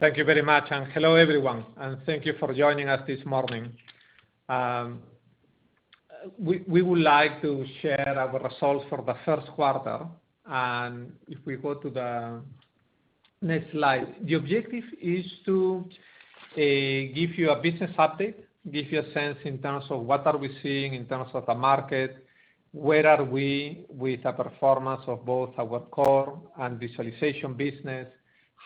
Thank you very much. Hello everyone. Thank you for joining us this morning. We would like to share our results for the first quarter. If we go to the next slide. The objective is to give you a business update, give you a sense in terms of what are we seeing in terms of the market, where are we with the performance of both our core and visualization business,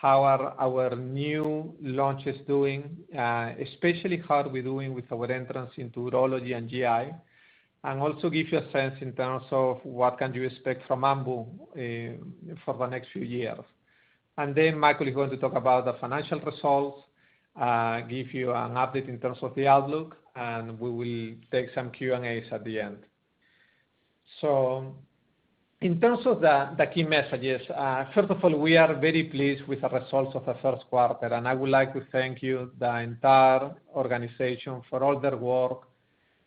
how are our new launches doing, especially how we're doing with our entrance into urology and GI, and also give you a sense in terms of what can you expect from Ambu for the next few years. Michael is going to talk about the financial results, give you an update in terms of the outlook, and we will take some Q&As at the end. In terms of the key messages, first of all, we are very pleased with the results of the first quarter, and I would like to thank you, the entire organization, for all their work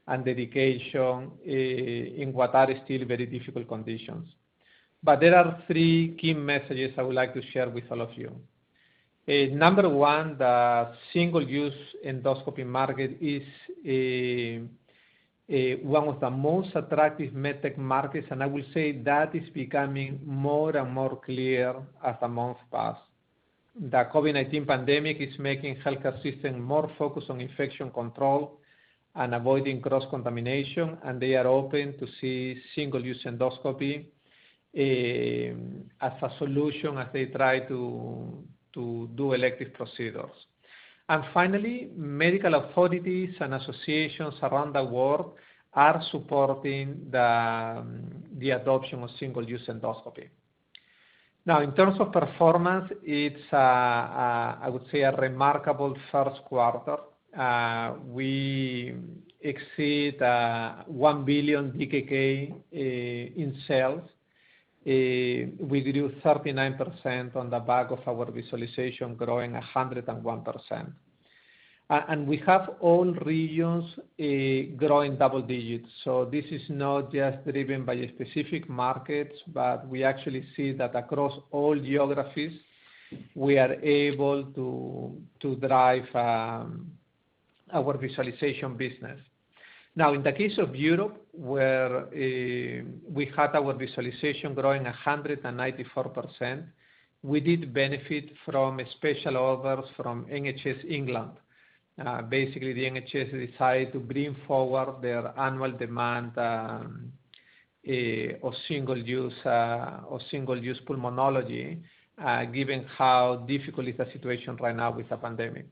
and dedication in what are still very difficult conditions. There are three key messages I would like to share with all of you. Number one, the single-use endoscopy market is one of the most attractive MedTech markets, and I will say that is becoming more and more clear as the months pass. The COVID-19 pandemic is making healthcare systems more focused on infection control and avoiding cross-contamination, and they are open to see single-use endoscopy as a solution as they try to do elective procedures. Finally, medical authorities and associations around the world are supporting the adoption of single-use endoscopy. Now, in terms of performance, it's, I would say, a remarkable first quarter. We exceed 1 billion DKK in sales. We grew 39% on the back of our visualization growing 101%. We have all regions growing double digits. This is not just driven by specific markets, but we actually see that across all geographies, we are able to drive our visualization business. In the case of Europe, where we had our visualization growing 194%, we did benefit from special orders from NHS England. Basically, the NHS decided to bring forward their annual demand of single-use pulmonology, given how difficult is the situation right now with the pandemic.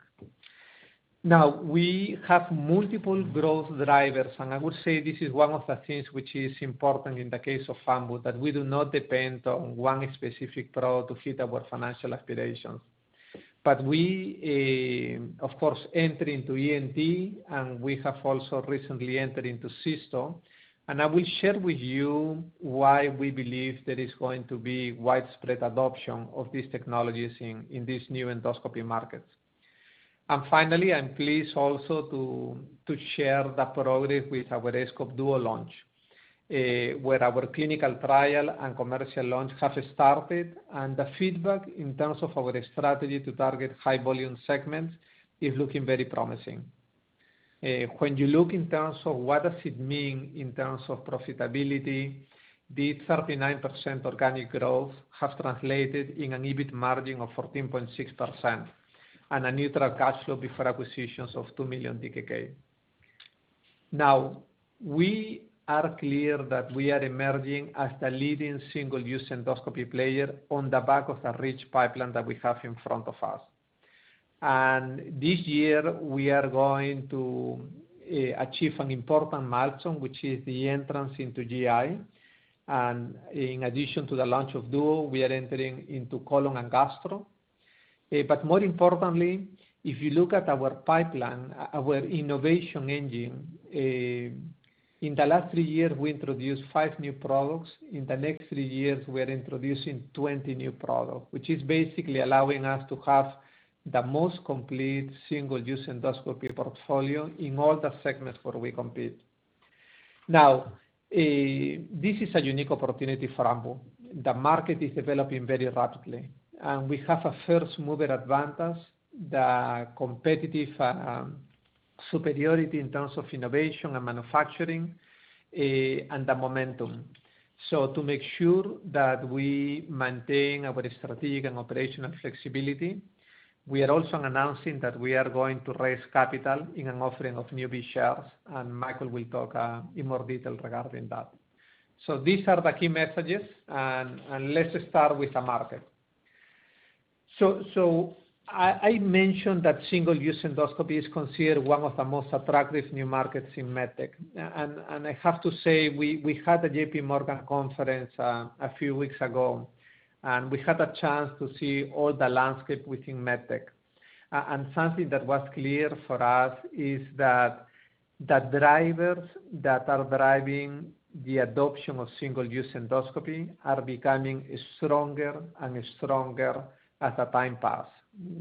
We have multiple growth drivers, and I would say this is one of the things which is important in the case of Ambu, that we do not depend on one specific product to hit our financial aspirations. We, of course, enter into ENT, and we have also recently entered into Cysto. I will share with you why we believe there is going to be widespread adoption of these technologies in these new endoscopy markets. Finally, I'm pleased also to share the progress with our aScope Duo launch, where our clinical trial and commercial launch have started, and the feedback in terms of our strategy to target high-volume segments is looking very promising. When you look in terms of what does it mean in terms of profitability, the 39% organic growth has translated in an EBIT margin of 14.6% and a neutral cash flow before acquisitions of 2 million DKK. We are clear that we are emerging as the leading single-use endoscopy player on the back of the rich pipeline that we have in front of us. This year, we are going to achieve an important milestone, which is the entrance into GI. In addition to the launch of Duo, we are entering into colon and gastro. More importantly, if you look at our pipeline, our innovation engine, in the last three years, we introduced five new products. In the next three years, we're introducing 20 new products, which is basically allowing us to have the most complete single-use endoscopy portfolio in all the segments where we compete. This is a unique opportunity for Ambu. The market is developing very rapidly, and we have a first-mover advantage, the competitive superiority in terms of innovation and manufacturing, and the momentum. To make sure that we maintain our strategic and operational flexibility, we are also announcing that we are going to raise capital in an offering of new B shares, and Michael will talk in more detail regarding that. These are the key messages, and let's start with the market. I mentioned that single-use endoscopy is considered one of the most attractive new markets in medtech. I have to say, we had a JPMorgan conference a few weeks ago, and we had a chance to see all the landscape within medtech. Something that was clear for us is that the drivers that are driving the adoption of single-use endoscopy is becoming stronger and stronger as time passes.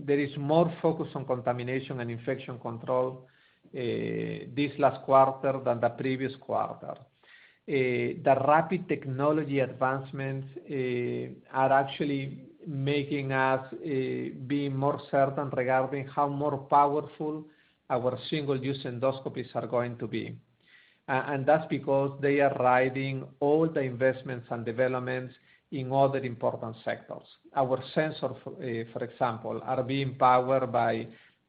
There is more focus on contamination and infection control this last quarter than the previous quarter. The rapid technology advancements are actually making us be more certain regarding how much more powerful our single-use endoscopies are going to be. That's because they are riding all the investments and developments in other important sectors. Our sensors, for example, are being powered by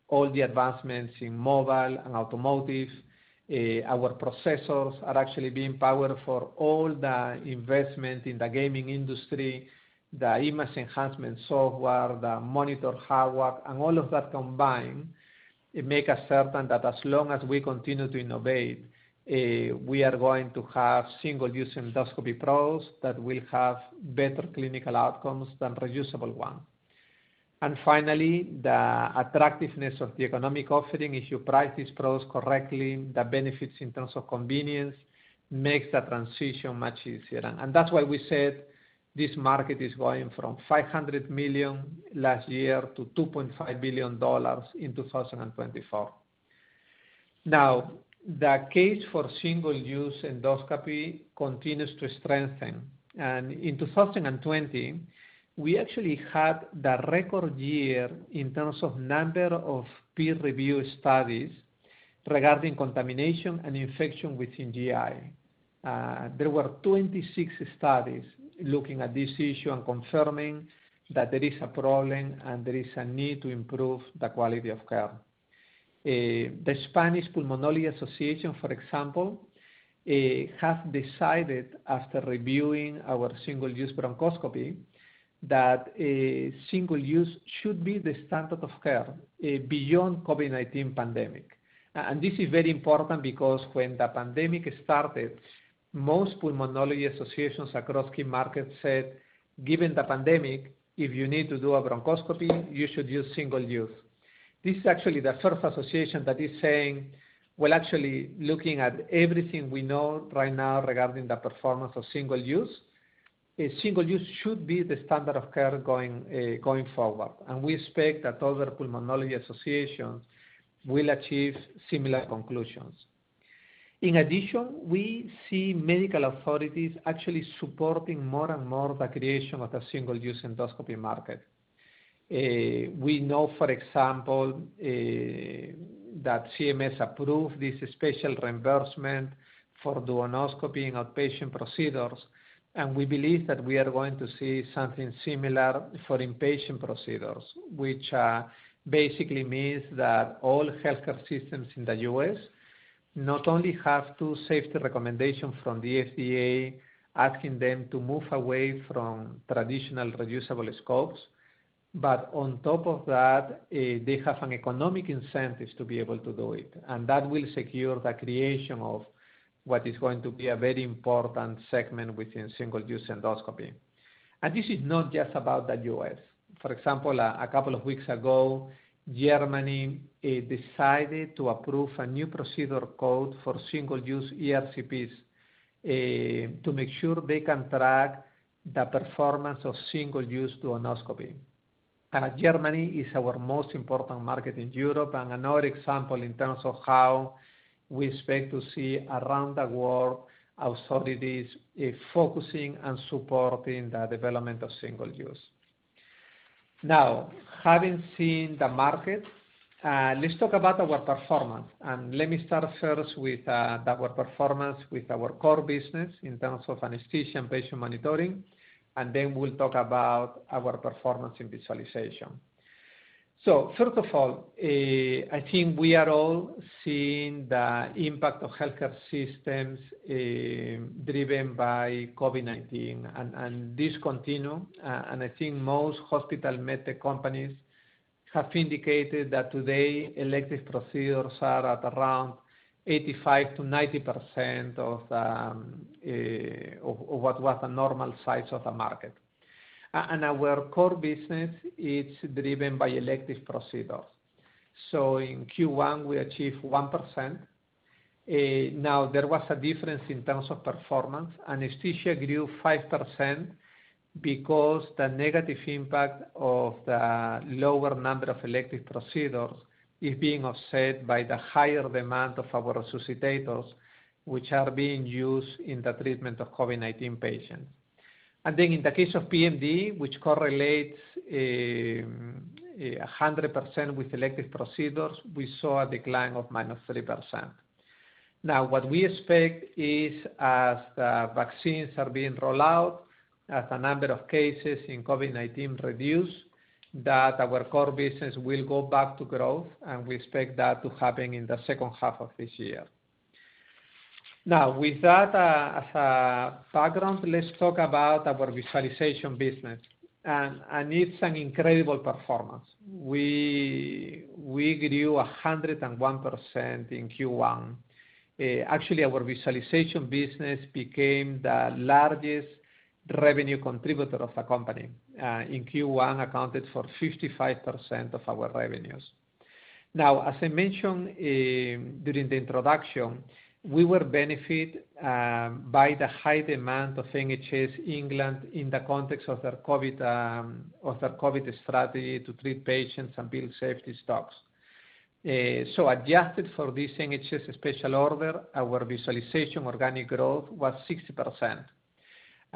all the advancements in mobile and automotive. Our processors are actually being powered for all the investment in the gaming industry, the image enhancement software, the monitor hardware, and all of that combined, it makes us certain that as long as we continue to innovate, we are going to have single-use endoscopy probes that will have better clinical outcomes than reusable ones. Finally, the attractiveness of the economic offering, if you price these probes correctly, the benefits in terms of convenience makes the transition much easier. That's why we said this market is going from 500 million last year to DKK 2.5 billion in 2024. Now, the case for single-use endoscopy continues to strengthen. In 2020, we actually had the record year in terms of number of peer-reviewed studies regarding contamination and infection within GI. There were 26 studies looking at this issue and confirming that there is a problem, and there is a need to improve the quality of care. The Spanish Pulmonology Association, for example, has decided after reviewing our single-use bronchoscopy, that a single-use should be the standard of care beyond COVID-19 pandemic. This is very important because when the pandemic started, most pulmonology associations across key markets said, given the pandemic, if you need to do a bronchoscopy, you should use single-use. This is actually the first association that is saying, well, actually, looking at everything we know right now regarding the performance of single-use, single-use should be the standard of care going forward. We expect that other pulmonology associations will achieve similar conclusions. In addition, we see medical authorities actually supporting more and more the creation of the single-use endoscopy market. We know, for example, that CMS approved this special reimbursement for duodenoscopy in outpatient procedures, and we believe that we are going to see something similar for inpatient procedures, which basically means that all healthcare systems in the U.S. not only have two safety recommendations from the FDA asking them to move away from traditional reusable scopes, but on top of that, they have an economic incentive to be able to do it. That will secure the creation of what is going to be a very important segment within single-use endoscopy. This is not just about the U.S. For example, a couple of weeks ago, Germany decided to approve a new procedure code for single-use ERCPs to make sure they can track the performance of single-use duodenoscopy. Germany is our most important market in Europe, another example in terms of how we expect to see around the world authorities focusing and supporting the development of single-use. Having seen the market, let's talk about our performance. Let me start first with our performance with our core business in terms of anesthesia and patient monitoring, then we'll talk about our performance in visualization. First of all, I think we are all seeing the impact of healthcare systems driven by COVID-19, and this continue. I think most hospital MedTech companies have indicated that today elective procedures are at around 85%-90% of what was the normal size of the market. Our core business is driven by elective procedures. In Q1, we achieved 1%. There was a difference in terms of performance. Anesthesia grew 5% because the negative impact of the lower number of elective procedures is being offset by the higher demand of our resuscitators, which are being used in the treatment of COVID-19 patients. In the case of PMD, which correlates 100% with elective procedures, we saw a decline of -3%. Now, what we expect is as the vaccines are being rolled out, as the number of cases in COVID-19 reduce, that our core business will go back to growth, and we expect that to happen in the second half of this year. Now, with that as a background, let's talk about our visualization business. It's an incredible performance. We grew 101% in Q1. Actually, our visualization business became the largest revenue contributor of the company. In Q1, accounted for 55% of our revenues. As I mentioned during the introduction, we will benefit by the high demand of NHS England in the context of their COVID strategy to treat patients and build safety stocks. Adjusted for this NHS special order, our visualization organic growth was 60%.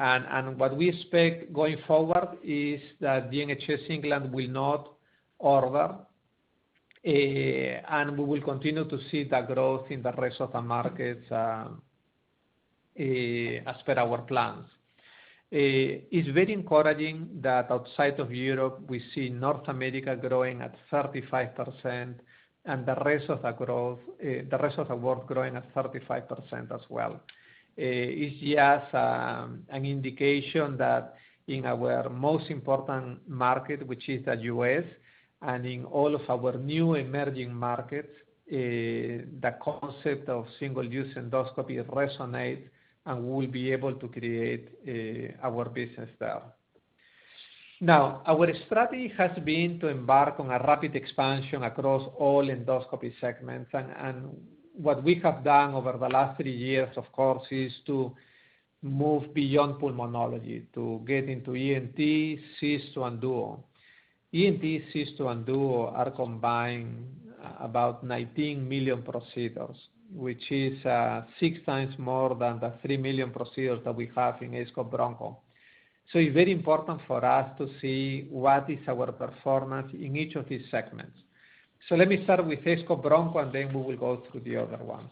What we expect going forward is that the NHS England will not order, and we will continue to see the growth in the rest of the markets as per our plans. It's very encouraging that outside of Europe, we see North America growing at 35% and the rest of the world growing at 35% as well. It's just an indication that in our most important market, which is the U.S., and in all of our new emerging markets, the concept of single-use endoscopy resonates and we'll be able to create our business there. Our strategy has been to embark on a rapid expansion across all endoscopy segments. What we have done over the last three years, of course, is to move beyond pulmonology to get into ENT, Cysto, and duo. ENT, Cysto, and Duo are combined about 19 million procedures, which is 6x more than the three million procedures that we have in aScope Broncho. It's very important for us to see what is our performance in each of these segments. Let me start with aScope Broncho, and then we will go through the other ones.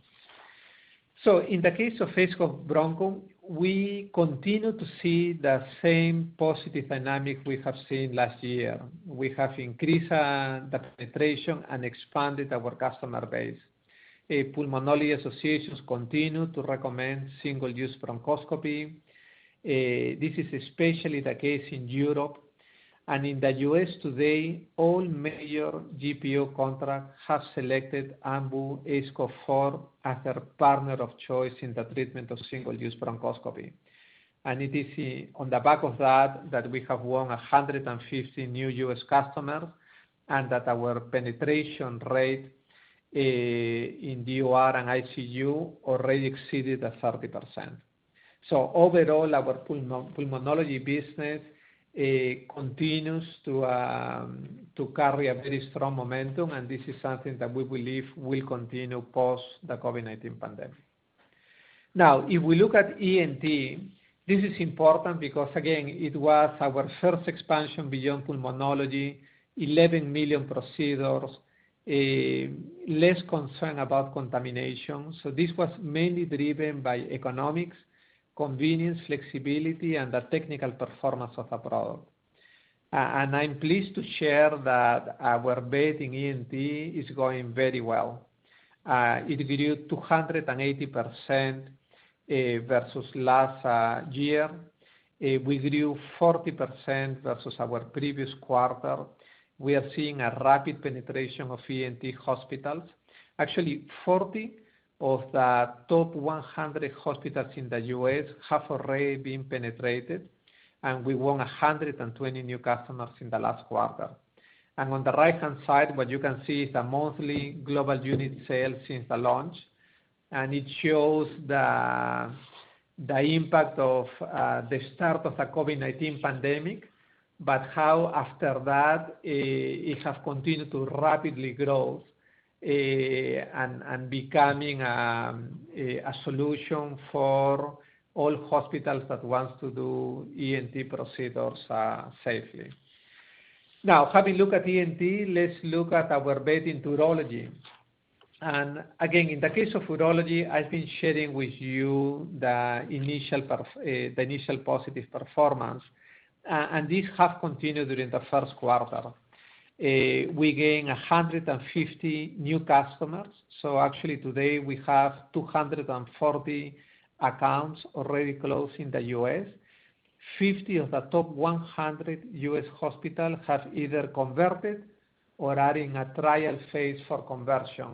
In the case of aScope Broncho, we continue to see the same positive dynamic we have seen last year. We have increased the penetration and expanded our customer base. Pulmonary associations continue to recommend single-use bronchoscopy. This is especially the case in Europe. In the U.S. today, all major GPO contracts have selected Ambu aScope 4 as their partner of choice in the treatment of single-use bronchoscopy. It is on the back of that we have won 150 new U.S. customers, and that our penetration rate in OR and ICU already exceeded the 30%. Overall, our pulmonology business continues to carry a very strong momentum, and this is something that we believe will continue post the COVID-19 pandemic. If we look at ENT, this is important because, again, it was our first expansion beyond pulmonology, 11 million procedures, less concern about contamination. This was mainly driven by economics, convenience, flexibility, and the technical performance of the product. I'm pleased to share that our bet in ENT is going very well. It grew 280% versus last year. We grew 40% versus our previous quarter. We are seeing a rapid penetration of ENT hospitals. Actually, 40 of the top 100 hospitals in the U.S. have already been penetrated, and we won 120 new customers in the last quarter. On the right-hand side, what you can see is the monthly global unit sales since the launch, and it shows the impact of the start of the COVID-19 pandemic, but how after that, it has continued to rapidly grow and becoming a solution for all hospitals that want to do ENT procedures safely. Now, having looked at ENT, let's look at our bet in urology. Again, in the case of urology, I've been sharing with you the initial positive performance, and this has continued during the first quarter. We gained 150 new customers. Actually today we have 240 accounts already closed in the U.S. 50 of the top 100 U.S. hospitals have either converted or are in a trial phase for conversion.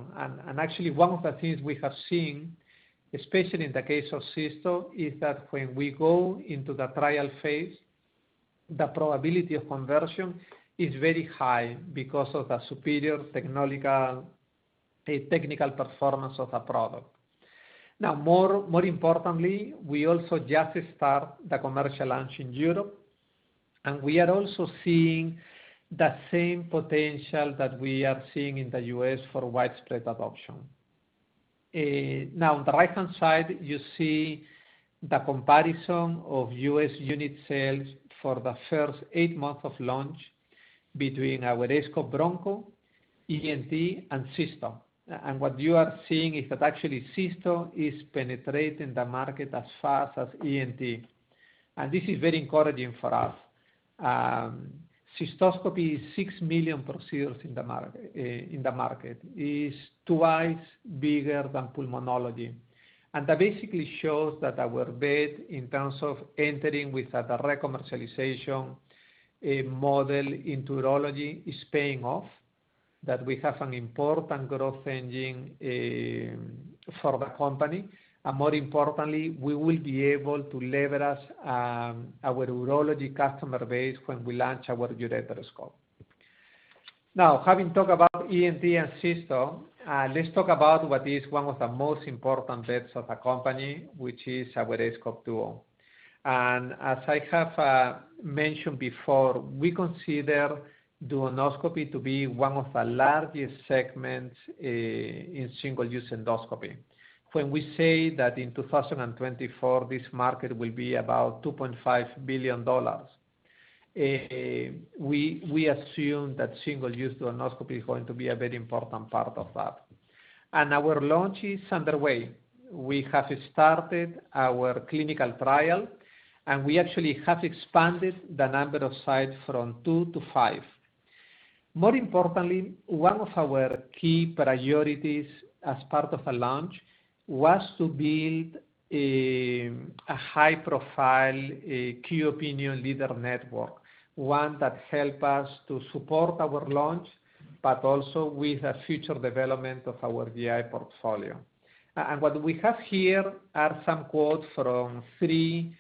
Actually, one of the things we have seen, especially in the case of Cysto, is that when we go into the trial phase, the probability of conversion is very high because of the superior technical performance of the product. More importantly, we also just start the commercial launch in Europe. We are also seeing the same potential that we are seeing in the U.S. for widespread adoption. On the right-hand side, you see the comparison of U.S. unit sales for the first eight months of launch between our aScope Broncho, ENT, and Cysto. What you are seeing is that actually Cysto is penetrating the market as fast as ENT. This is very encouraging for us. Cystoscopy is 6 million procedures in the market. Is twice bigger than pulmonology. That basically shows that our bet in terms of entering with the direct commercialization model in urology is paying off, that we have an important growth engine for the company. More importantly, we will be able to leverage our urology customer base when we launch our ureteroscope. Now, having talked about ENT and Cysto, let's talk about what is one of the most important bets of the company, which is our aScope Duodeno. As I have mentioned before, we consider duodenoscopy to be one of the largest segments in single-use endoscopy. When we say that in 2024, this market will be about DKK 2.5 billion, we assume that single-use duodenoscopy is going to be a very important part of that. Our launch is underway. We have started our clinical trial, and we actually have expanded the number of sites from two to five. More importantly, one of our key priorities as part of the launch was to build a high-profile key opinion leader network. One that help us to support our launch, but also with the future development of our GI portfolio. What we have here are some quotes from three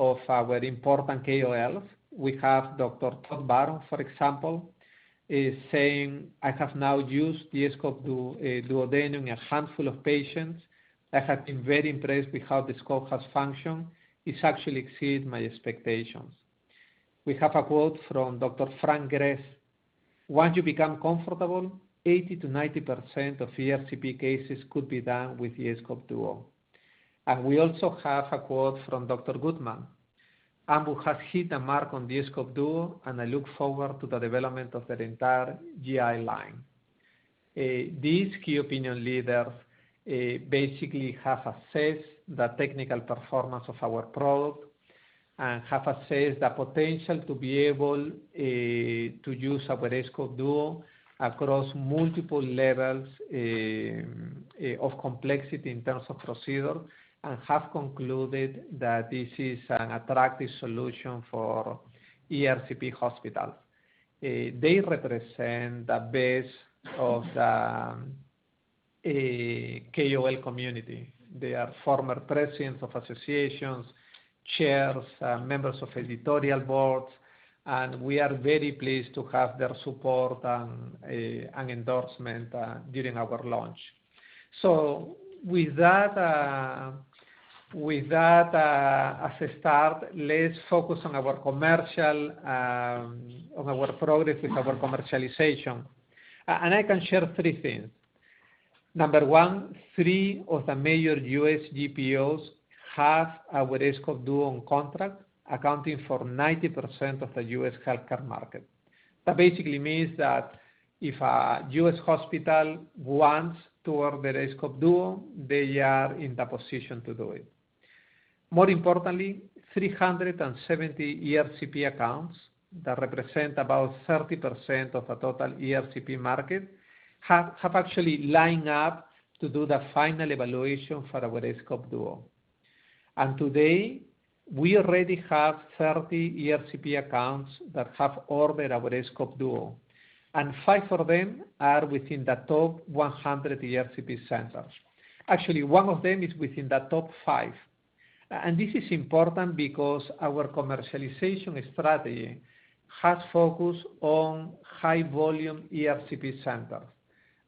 of our important KOLs. We have Dr. Todd Baron, for example, is saying, I have now used the aScope Duodeno in a handful of patients. I have been very impressed with how the scope has functioned. It's actually exceeded my expectations. We have a quote from Dr. Frank Gress, Once you become comfortable, 80%-90% of ERCP cases could be done with the aScope Duo. We also have a quote from Dr. Goodman, Ambu has hit a mark on the aScope Duodeno, and I look forward to the development of their entire GI line. These key opinion leaders basically have assessed the technical performance of our product and have assessed the potential to be able to use our aScope Duo across multiple levels of complexity in terms of procedure and have concluded that this is an attractive solution for ERCP hospitals. They represent the base of the KOL community. They are former presidents of associations, chairs, members of editorial boards, and we are very pleased to have their support and endorsement during our launch. With that as a start, let's focus on our progress with our commercialization. I can share three things. Number one, three of the major U.S. GPOs have our aScope Duodeno on contract, accounting for 90% of the U.S. healthcare market. That basically means that if a U.S. hospital wants to order aScope Duodeno, they are in the position to do it. More importantly, 370 ERCP accounts that represent about 30% of the total ERCP market have actually lined up to do the final evaluation for our aScope Duodeno. Today, we already have 30 ERCP accounts that have ordered our aScope Duodeno, and five of them are within the top 100 ERCP centers. Actually, one of them is within the top five. This is important because our commercialization strategy has focused on high-volume ERCP centers.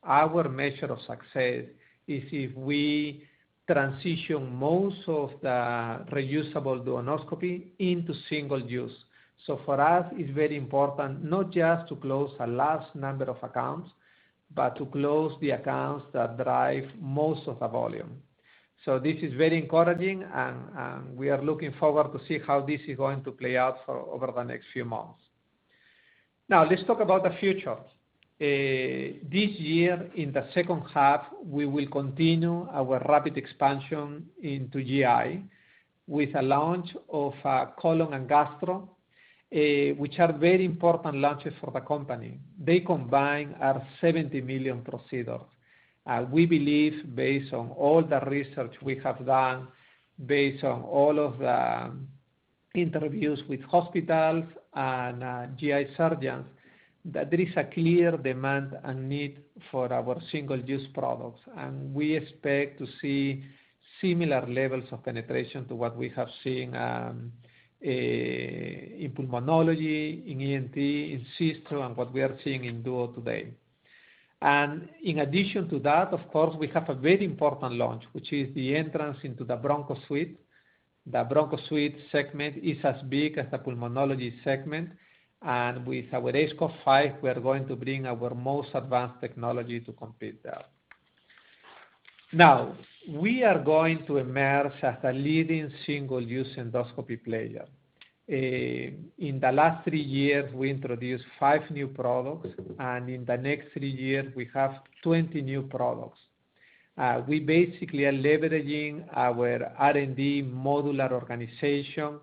Our measure of success is if we transition most of the reusable duodenoscopy into single-use. For us, it's very important not just to close a large number of accounts, but to close the accounts that drive most of the volume. This is very encouraging, and we are looking forward to see how this is going to play out over the next few months. Let's talk about the future. This year, in the second half, we will continue our rapid expansion into GI with the launch of colon and gastro, which are very important launches for the company. They combine our 70 million procedures. We believe based on all the research we have done, based on all of the interviews with hospitals and GI surgeons, that there is a clear demand and need for our single-use products. We expect to see similar levels of penetration to what we have seen in pulmonology, in ENT, in Cysto, and what we are seeing in Duo today. In addition to that, of course, we have a very important launch, which is the entrance into the broncho suite. The broncho suite segment is as big as the pulmonology segment. With our aScope 5, we are going to bring our most advanced technology to compete there. Now, we are going to emerge as a leading single-use endoscopy player. In the last three years, we introduced five new products, and in the next three years, we have 20 new products. We basically are leveraging our R&D modular organization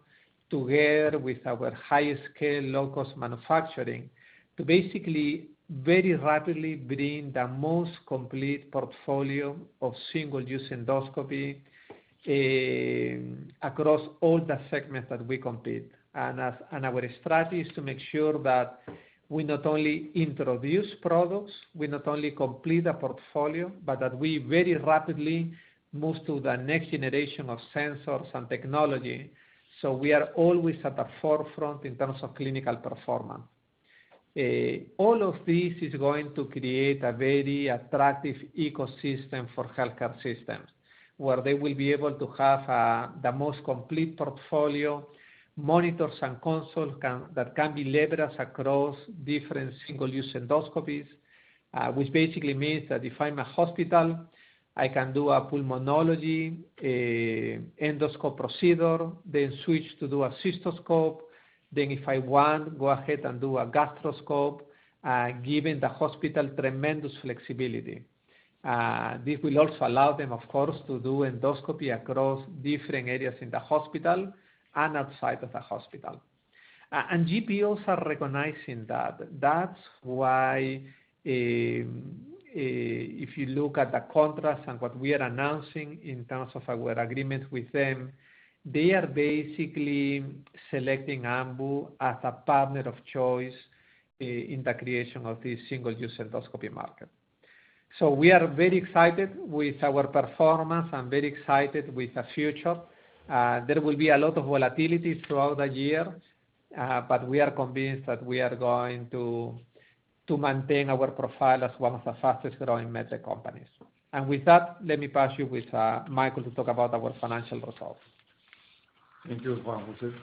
together with our high-scale, low-cost manufacturing to basically very rapidly bring the most complete portfolio of single-use endoscopy across all the segments that we compete. Our strategy is to make sure that we not only introduce products, we not only complete the portfolio, but that we very rapidly move to the next generation of sensors and technology, so we are always at the forefront in terms of clinical performance. All of this is going to create a very attractive ecosystem for healthcare systems, where they will be able to have the most complete portfolio, monitors and consoles that can be leveraged across different single-use endoscopies. Basically means that if I'm a hospital, I can do a pulmonology, an endoscope procedure, then switch to do a cystoscope, then if I want, go ahead and do a gastroscope, giving the hospital tremendous flexibility. This will also allow them, of course, to do endoscopy across different areas in the hospital and outside of the hospital. GPOs are recognizing that. That's why if you look at the contracts and what we are announcing in terms of our agreement with them, they are basically selecting Ambu as a partner of choice in the creation of this single-use endoscopy market. We are very excited with our performance and very excited with the future. There will be a lot of volatility throughout the year, but we are convinced that we are going to maintain our profile as one of the fastest growing med tech companies. With that, let me pass you with Michael to talk about our financial results. Thank you, Juan Jose.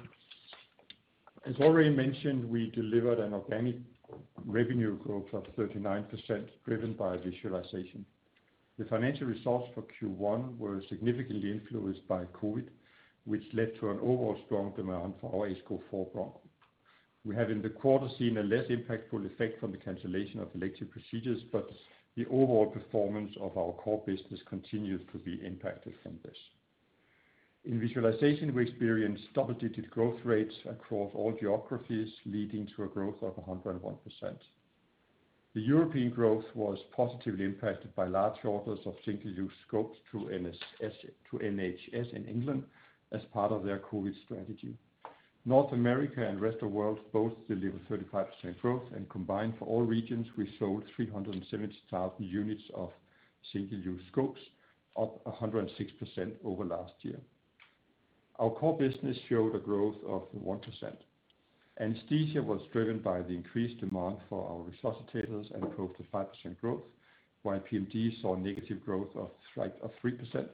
As already mentioned, we delivered an organic revenue growth of 39%, driven by visualization. The financial results for Q1 were significantly influenced by COVID, which led to an overall strong demand for our aScope 4 Broncho. We have in the quarter seen a less impactful effect from the cancellation of elective procedures, but the overall performance of our core business continues to be impacted from this. In visualization, we experienced double-digit growth rates across all geographies, leading to a growth of 101%. The European growth was positively impacted by large orders of single-use scopes to NHS England as part of their COVID strategy. North America and rest of world both delivered 35% growth and combined for all regions, we sold 370,000 units of single-use scopes, up 106% over last year. Our core business showed a growth of 1%. Anesthesia was driven by the increased demand for our resuscitators and posted 5% growth, while PMD saw negative growth of 3%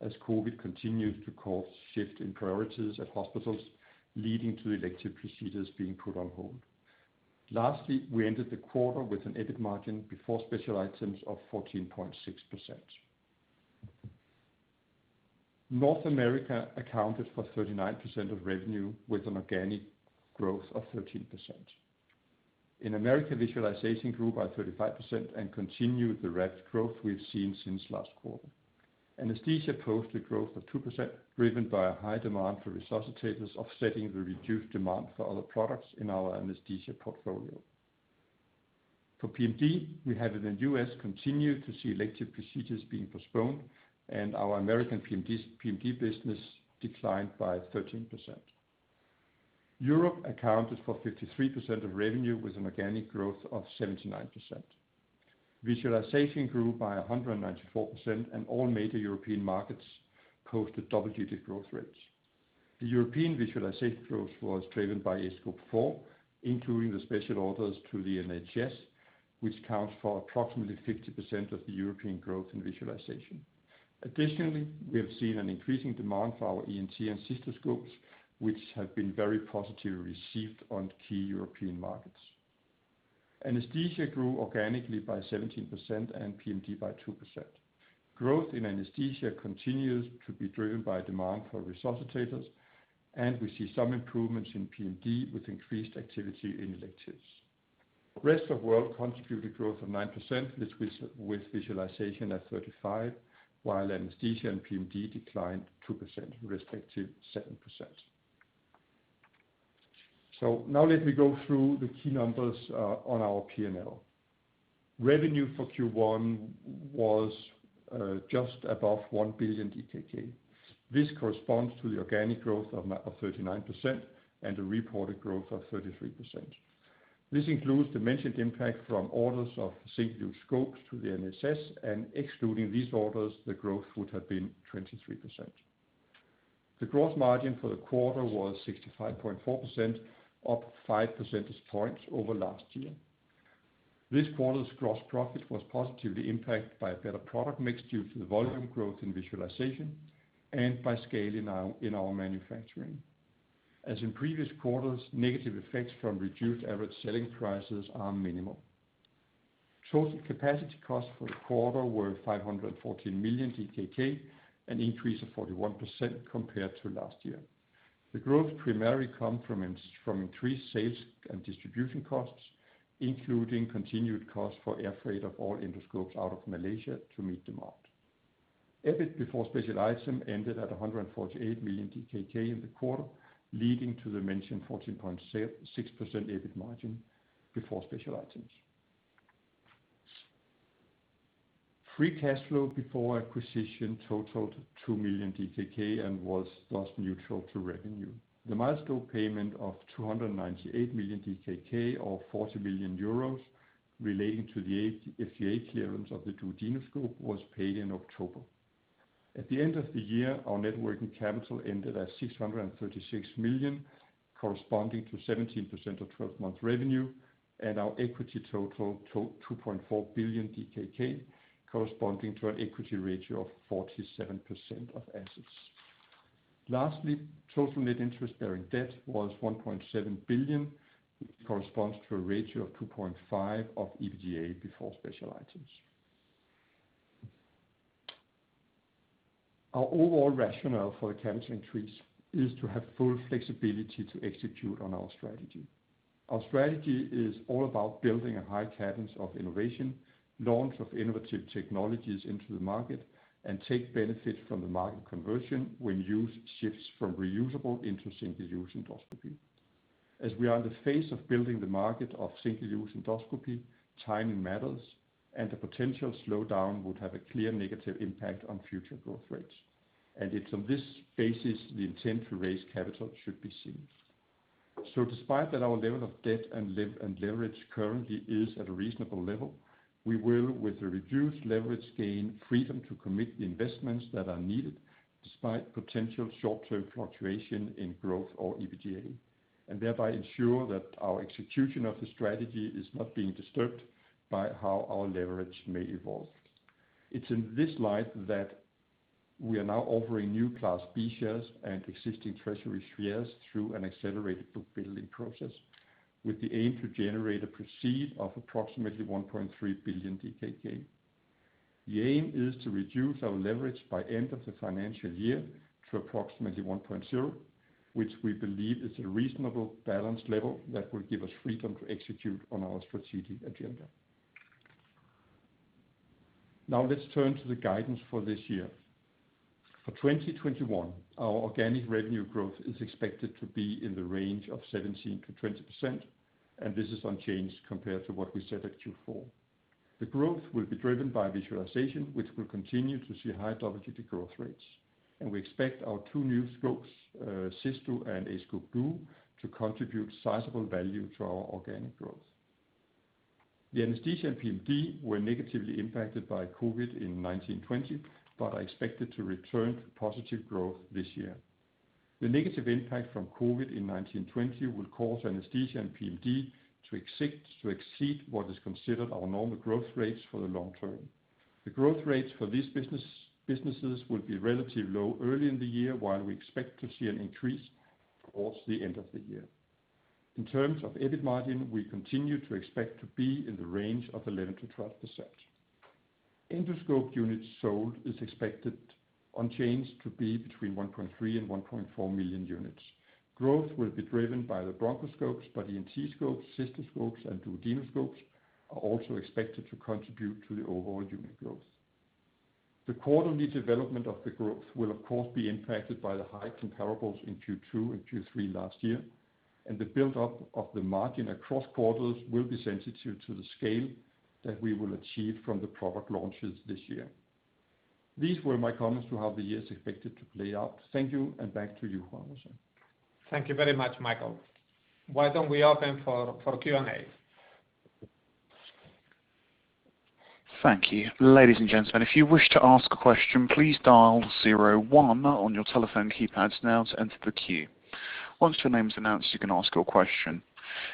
as COVID continues to cause shift in priorities at hospitals, leading to elective procedures being put on hold. Lastly, we ended the quarter with an EBIT margin before special items of 14.6%. North America accounted for 39% of revenue with an organic growth of 13%. In America, visualization grew by 35% and continued the rapid growth we've seen since last quarter. Anesthesia posted growth of 2%, driven by a high demand for resuscitators offsetting the reduced demand for other products in our anesthesia portfolio. For PMD, we had in the U.S. continued to see elective procedures being postponed and our American PMD business declined by 13%. Europe accounted for 53% of revenue with an organic growth of 79%. Visualization grew by 194%, and all major European markets posted double-digit growth rates. The European visualization growth was driven by aScope 4, including the special orders to the NHS, which accounts for approximately 50% of the European growth in visualization. We have seen an increasing demand for our ENT and Cysto scopes, which have been very positively received on key European markets. Anesthesia grew organically by 17% and PMD by 2%. Growth in anesthesia continues to be driven by demand for resuscitators, we see some improvements in PMD with increased activity in electives. Rest of world contributed growth of 9%, with visualization at 35%, while anesthesia and PMD declined 2%, respective 7%. Now let me go through the key numbers on our P&L. Revenue for Q1 was just above 1 billion DKK. This corresponds to the organic growth of 39% and a reported growth of 33%. This includes the mentioned impact from orders of single-use scopes to the NHS and excluding these orders, the growth would have been 23%. The gross margin for the quarter was 65.4%, up five percentage points over last year. This quarter's gross profit was positively impacted by a better product mix due to the volume growth in visualization and by scaling in our manufacturing. As in previous quarters, negative effects from reduced average selling prices are minimal. Total capacity costs for the quarter were 514 million DKK, an increase of 41% compared to last year. The growth primarily come from increased sales and distribution costs, including continued costs for air freight of all endoscopes out of Malaysia to meet demand. EBIT before special item ended at 148 million DKK in the quarter, leading to the mentioned 14.6% EBIT margin before special items. Free cash flow before acquisition totaled 2 million DKK and was thus neutral to revenue. The milestone payment of 298 million DKK or 40 million euros relating to the FDA clearance of the duodenoscope was paid in October. At the end of the year, our net working capital ended at 636 million, corresponding to 17% of 12-month revenue, and our equity total, 2.4 billion DKK, corresponding to an equity ratio of 47% of assets. Lastly, total net interest-bearing debt was 1.7 billion, which corresponds to a ratio of 2.5 of EBITDA before special items. Our overall rationale for the capital increase is to have full flexibility to execute on our strategy. Our strategy is all about building a high cadence of innovation, launch of innovative technologies into the market, and take benefit from the market conversion when use shifts from reusable into single-use endoscopy. As we are in the phase of building the market of single-use endoscopy, timing matters, and a potential slowdown would have a clear negative impact on future growth rates. It's on this basis the intent to raise capital should be seen. Despite that our level of debt and leverage currently is at a reasonable level, we will, with the reduced leverage gain, freedom to commit the investments that are needed, despite potential short-term fluctuation in growth or EBITDA. Thereby ensure that our execution of the strategy is not being disturbed by how our leverage may evolve. It's in this light that we are now offering new Class B shares and existing treasury shares through an accelerated book-building process with the aim to generate a proceed of approximately 1.3 billion DKK. The aim is to reduce our leverage by end of the financial year to approximately 1.0, which we believe is a reasonable balanced level that will give us freedom to execute on our strategic agenda. Let's turn to the guidance for this year. For 2021, our organic revenue growth is expected to be in the range of 17%-20%. This is unchanged compared to what we said at Q4. The growth will be driven by visualization, which will continue to see high double-digit growth rates. We expect our two new scopes, Cysto and aScope Duodeno, to contribute sizable value to our organic growth. The anesthesia and PMD were negatively impacted by COVID-19 in 2019. They are expected to return to positive growth this year. The negative impact from COVID in 2019 will cause anesthesia and PMD to exceed what is considered our normal growth rates for the long term. The growth rates for these businesses will be relatively low early in the year, while we expect to see an increase towards the end of the year. In terms of EBIT margin, we continue to expect to be in the range of 11%-12%. Endoscope units sold is expected unchanged to be between 1.3 million and 1.4 million units. Growth will be driven by the bronchoscope, the ENT scopes, Cysto scopes, and duodenoscopes are also expected to contribute to the overall unit growth. The quarterly development of the growth will, of course, be impacted by the high comparables in Q2 and Q3 last year, and the buildup of the margin across quarters will be sensitive to the scale that we will achieve from the product launches this year. These were my comments to how the year is expected to play out. Thank you, and back to you, Juan Jose. Thank you very much, Michael. Why don't we open for Q&A? Thank you. Ladies and gentlemen, if you wish to ask a question please dial zero one on your telephone keypad now to enter the queue. Once your name is announced you can ask your question.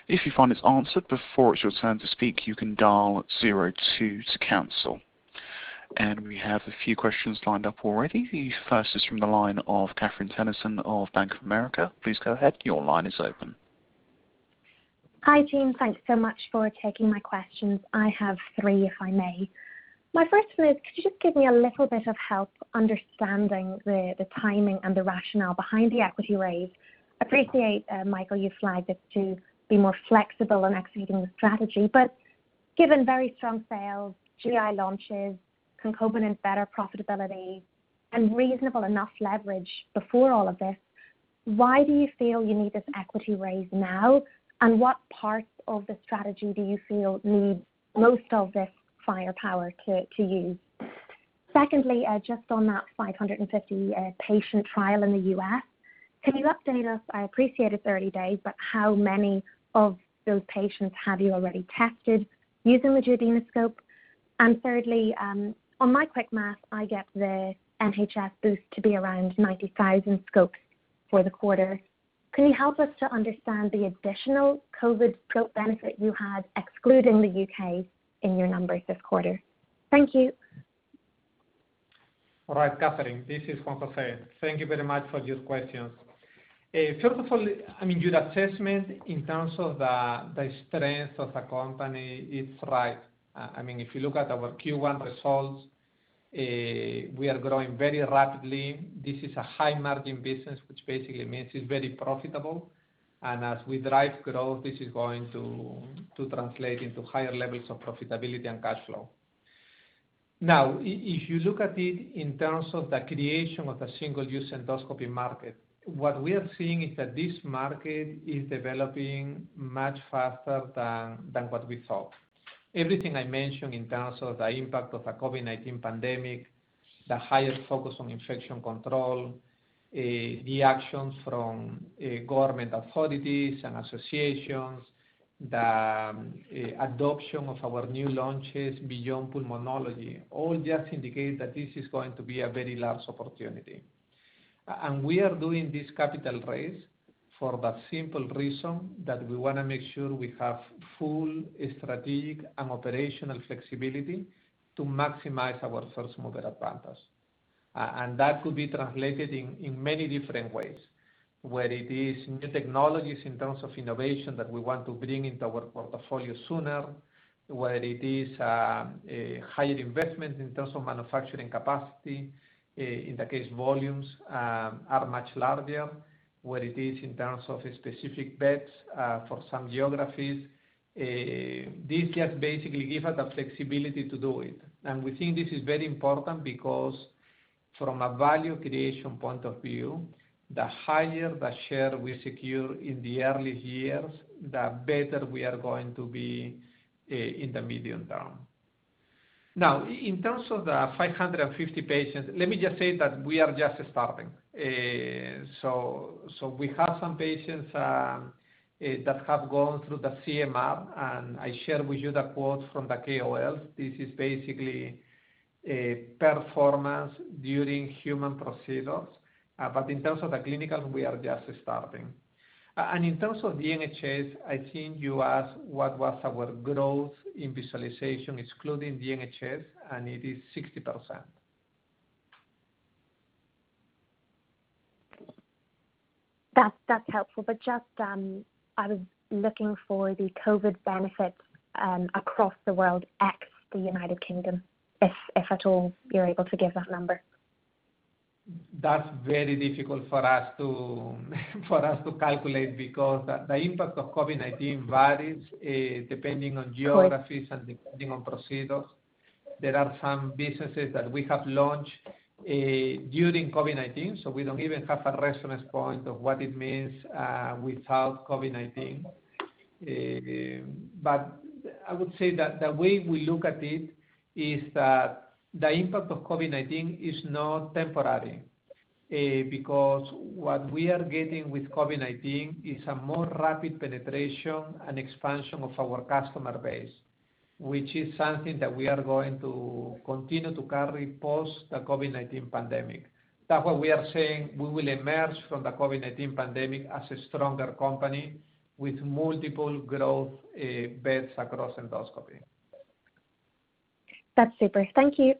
If you find is answered before your time to speak you can dial zero two to cancel. We have a few questions lined up already. The first is from the line of Catherine Tennyson of Bank of America. Please go ahead. Your line is open. Hi, team. Thanks so much for taking my questions. I have three, if I may. My first was, could you just give me a little bit of help understanding the timing and the rationale behind the equity raise? Appreciate, Michael, you flagged it to be more flexible on executing the strategy. Given very strong sales, GI launches, concomitant better profitability, and reasonable enough leverage before all of this, why do you feel you need this equity raise now? What parts of the strategy do you feel need most of this firepower to use? Secondly, just on that 550 patient trial in the U.S. Can you update us? I appreciate it's 30 days, but how many of those patients have you already tested using the duodenoscope? Thirdly, on my quick math, I get the NHS boost to be around 90,000 scopes for the quarter. Can you help us to understand the additional COVID-19 benefit you had excluding the U.K. in your numbers this quarter? Thank you. All right, Catherine. This is Juan Jose. Thank you very much for your questions. First of all, your assessment in terms of the strength of the company is right. If you look at our Q1 results, we are growing very rapidly. This is a high-margin business, which basically means it's very profitable. As we drive growth, this is going to translate into higher levels of profitability and cash flow. Now, if you look at it in terms of the creation of the single-use endoscopy market, what we are seeing is that this market is developing much faster than what we thought. Everything I mentioned in terms of the impact of the COVID-19 pandemic, the higher focus on infection control, the actions from government authorities and associations, the adoption of our new launches beyond pulmonology, all just indicate that this is going to be a very large opportunity. We are doing this capital raise for the simple reason that we want to make sure we have full strategic and operational flexibility to maximize our first-mover advantage. That could be translated in many different ways, whether it is new technologies in terms of innovation that we want to bring into our portfolio sooner, whether it is higher investment in terms of manufacturing capacity, in the case volumes are much larger, whether it is in terms of specific bets for some geographies. This just basically give us the flexibility to do it. We think this is very important because from a value creation point of view, the higher the share we secure in the early years, the better we are going to be in the medium term. In terms of the 550 patients, let me just say that we are just starting. We have some patients that have gone through the CMR, and I share with you the quotes from the KOLs. This is basically performance during human procedures. In terms of the clinical, we are just starting. In terms of the NHS, I think you asked what was our growth in visualization excluding the NHS, and it is 60%. That's helpful. Just, I was looking for the COVID benefits across the world ex the United Kingdom, if at all you're able to give that number. That's very difficult for us to calculate because the impact of COVID-19 varies depending on geographies and depending on procedures. There are some businesses that we have launched during COVID-19, so we don't even have a reference point of what it means without COVID-19. I would say that the way we look at it is that the impact of COVID-19 is not temporary, because what we are getting with COVID-19 is a more rapid penetration and expansion of our customer base, which is something that we are going to continue to carry post the COVID-19 pandemic. That's why we are saying we will emerge from the COVID-19 pandemic as a stronger company with multiple growth bets across endoscopy. That's super. Thank you.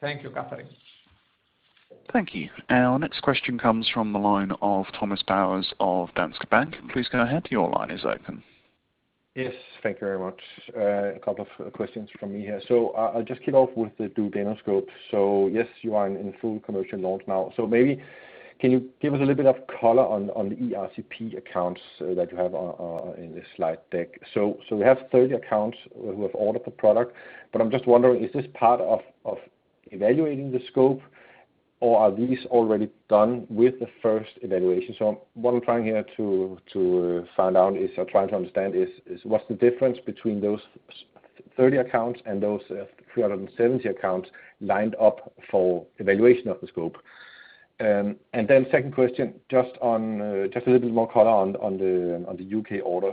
Thank you, Catherine. Thank you. Our next question comes from the line of Thomas Bowers of Danske Bank. Please go ahead. Your line is open. Yes, thank you very much. A couple of questions from me here. I'll just kick off with the duodenoscope. Yes, you are in full commercial launch now. Maybe can you give us a little bit of color on the ERCP accounts that you have in this slide deck? We have 30 accounts who have ordered the product, but I'm just wondering, is this part of evaluating the scope, or are these already done with the first evaluation? What I'm trying here to find out is, or trying to understand is, what's the difference between those 30 accounts and those 370 accounts lined up for evaluation of the scope? Second question, just a little bit more color on the U.K. order.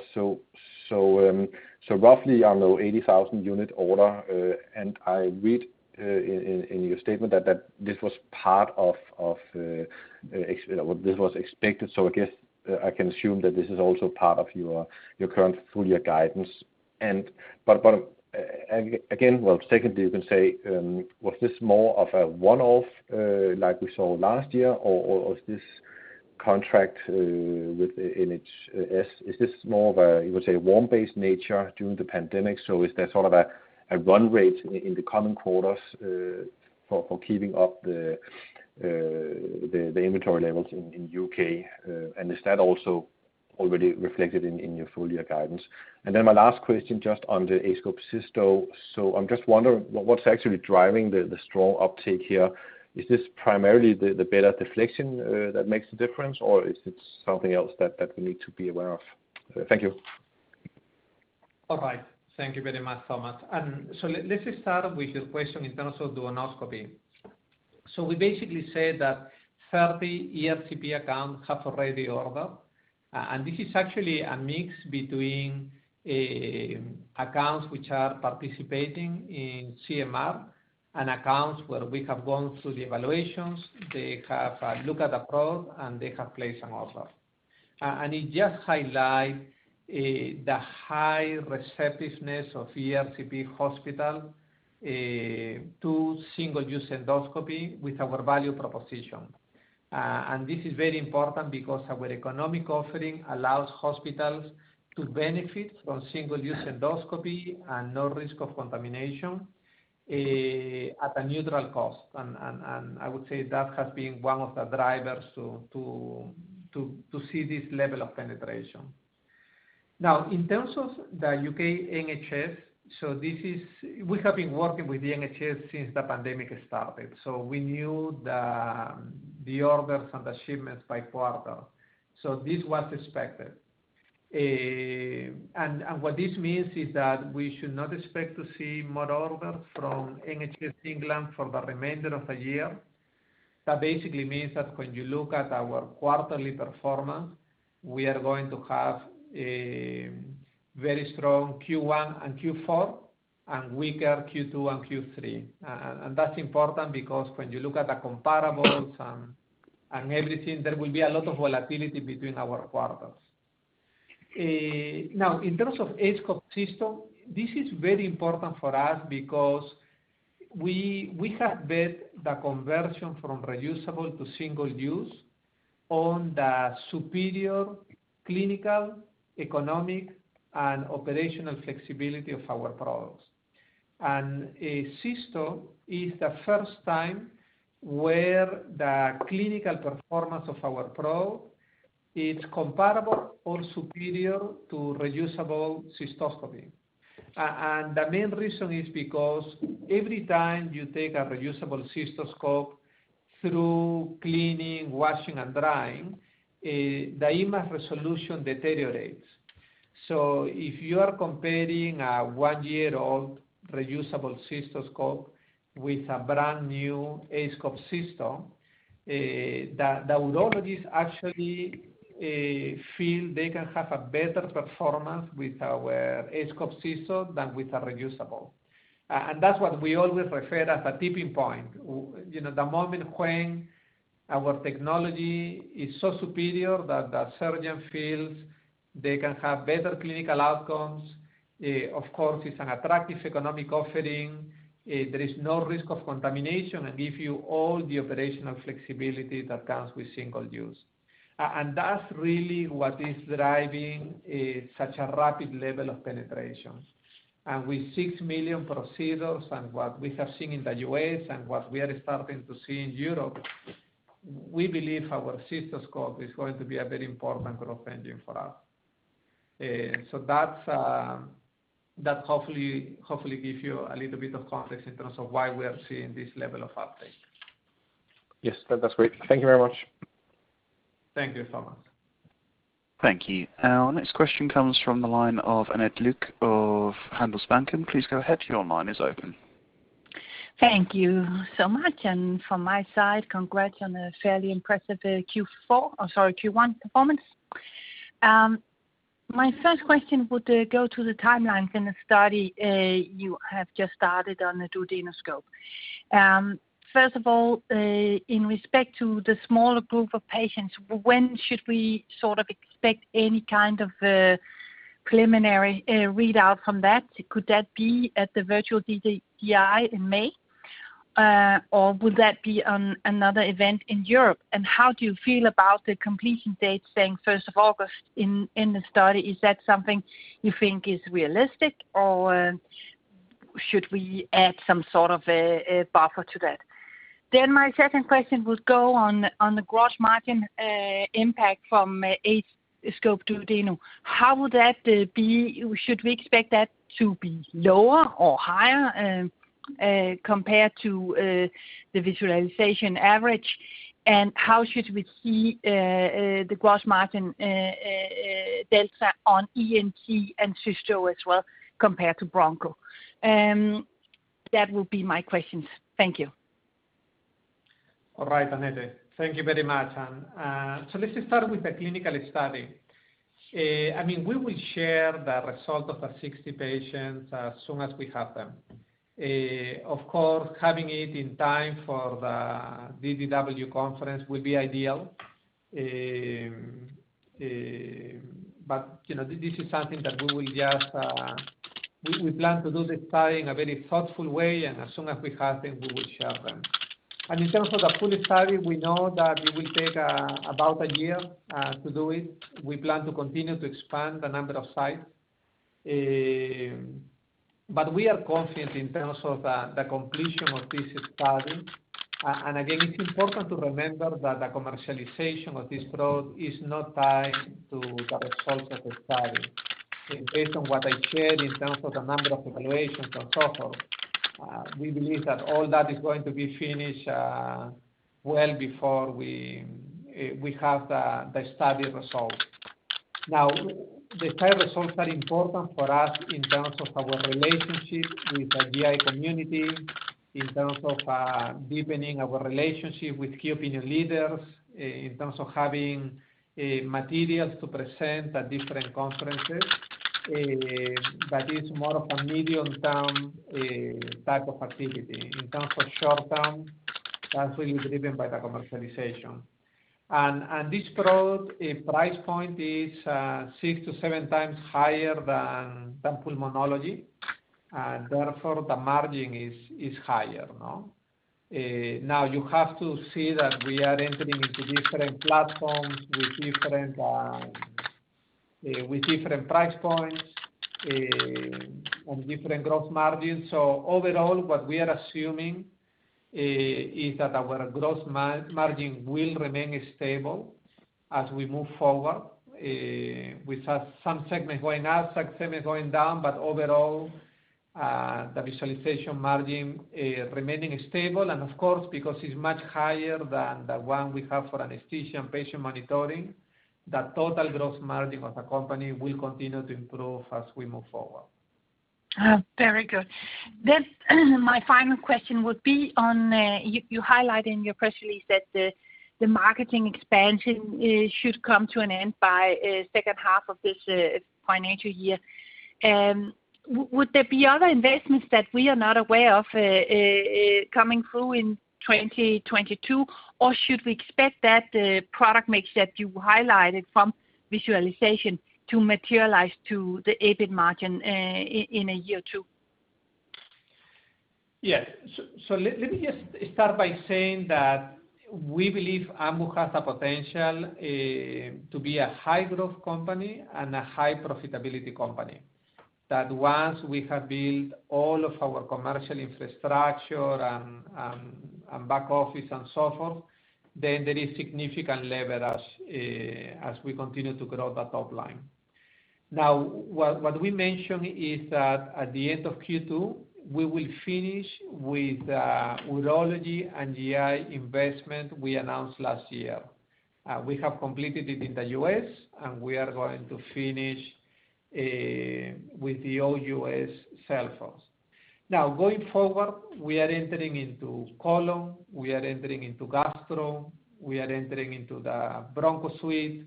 Roughly on the 80,000 unit order, and I read in your statement that this was expected, I guess I can assume that this is also part of your current full-year guidance. Again, well, secondly, you can say, was this more of a one-off like we saw last year, or was this contract with NHS, is this more of a, you would say, one-based nature during the pandemic? Is there sort of a run rate in the coming quarters for keeping up the inventory levels in U.K.? Is that also already reflected in your full-year guidance? My last question, just on the aScope Cysto. I'm just wondering what's actually driving the strong uptake here. Is this primarily the better deflection that makes a difference, or is it something else that we need to be aware of? Thank you. All right. Thank you very much, Thomas. Let's just start with your question in terms of duodenoscopy. We basically said that 30 ERCP accounts have already ordered. This is actually a mix between accounts which are participating in CMR and accounts where we have gone through the evaluations. They have looked at the product, and they have placed an order. It just highlights the high receptiveness of ERCP hospital to single-use endoscopy with our value proposition. This is very important because our economic offering allows hospitals to benefit from single-use endoscopy and no risk of contamination at a neutral cost. I would say that has been one of the drivers to see this level of penetration. In terms of the U.K. NHS, we have been working with the NHS since the pandemic started. We knew the orders and the shipments by quarter. This was expected. What this means is that we should not expect to see more orders from NHS England for the remainder of the year. That basically means that when you look at our quarterly performance, we are going to have a very strong Q1 and Q4 and weaker Q2 and Q3. That's important because when you look at the comparables and everything, there will be a lot of volatility between our quarters. Now, in terms of aScope Cysto, this is very important for us because we have built the conversion from reusable to single-use on the superior clinical, economic, and operational flexibility of our products. Cysto is the first time where the clinical performance of our product is comparable or superior to reusable cystoscopy. The main reason is because every time you take a reusable cystoscope through cleaning, washing, and drying, the image resolution deteriorates. If you are comparing a one-year-old reusable cystoscope with a brand new aScope Cysto, the urologists actually feel they can have a better performance with our aScope Cysto than with a reusable. That's what we always refer to as a tipping point. The moment when our technology is so superior that the surgeon feels they can have better clinical outcomes. Of course, it's an attractive economic offering. There is no risk of contamination and gives you all the operational flexibility that comes with single-use. That's really what is driving such a rapid level of penetration. With 6 million procedures and what we have seen in the U.S. and what we are starting to see in Europe, we believe our cystoscope is going to be a very important growth engine for us. That hopefully gives you a little bit of context in terms of why we are seeing this level of uptake. Yes. That's great. Thank you very much. Thank you so much. Thank you. Our next question comes from the line of Annette Lykke of Handelsbanken. Please go ahead. Thank you so much. From my side, congrats on a fairly impressive Q4, or sorry, Q1 performance. My first question would go to the timelines in the study you have just started on the duodenoscope. First of all, in respect to the smaller group of patients, when should we sort of expect any kind of preliminary readout from that? Could that be at the virtual DDW in May, or would that be on another event in Europe? How do you feel about the completion date saying 1st of August in the study? Is that something you think is realistic, or should we add some sort of a buffer to that? My second question would go on the gross margin impact from aScope Duodeno. How would that be? Should we expect that to be lower or higher compared to the visualization average? How should we see the gross margin delta on ENT and Cysto as well compared to broncho? That will be my questions. Thank you. All right, Annette. Thank you very much. Let's just start with the clinical study. We will share the result of the 60 patients as soon as we have them. Of course, having it in time for the DDW conference will be ideal. This is something that we plan to do the study in a very thoughtful way, and as soon as we have them, we will share them. In terms of the full study, we know that it will take about a year to do it. We plan to continue to expand the number of sites. We are confident in terms of the completion of this study. Again, it's important to remember that the commercialization of this product is not tied to the results of the study. Based on what I shared in terms of the number of evaluations in total, we believe that all that is going to be finished well before we have the study results. The study results are important for us in terms of our relationship with the GI community, in terms of deepening our relationship with key opinion leaders, in terms of having materials to present at different conferences. It's more of a medium-term type of activity. In terms of short-term, that will be driven by the commercialization. This product price point is six to seven times higher than pulmonology, and therefore the margin is higher. You have to see that we are entering into different platforms with different price points and different gross margins. Overall, what we are assuming is that our gross margin will remain stable as we move forward. We saw some segments going up, some segments going down, but overall the visualization margin remaining stable, and of course, because it's much higher than the one we have for anesthesia and patient monitoring, the total gross margin of the company will continue to improve as we move forward. Very good. My final question would be on, you highlight in your press release that the marketing expansion should come to an end by second half of this financial year. Would there be other investments that we are not aware of coming through in 2022, or should we expect that the product mix that you highlighted from visualization to materialize to the EBIT margin in a year or two? Yes. So let me just start by saying that we believe Ambu has the potential to be a high-growth company and a high profitability company. That once we have built all of our commercial infrastructure and back office and so forth, then there is significant leverage as we continue to grow the top line. What we mentioned is that at the end of Q2, we will finish with the urology and GI investment we announced last year. We have completed it in the U.S., and we are going to finish with the OUS sales force. Going forward, we are entering into colon, we are entering into gastro, we are entering into the bronchoscopy suite.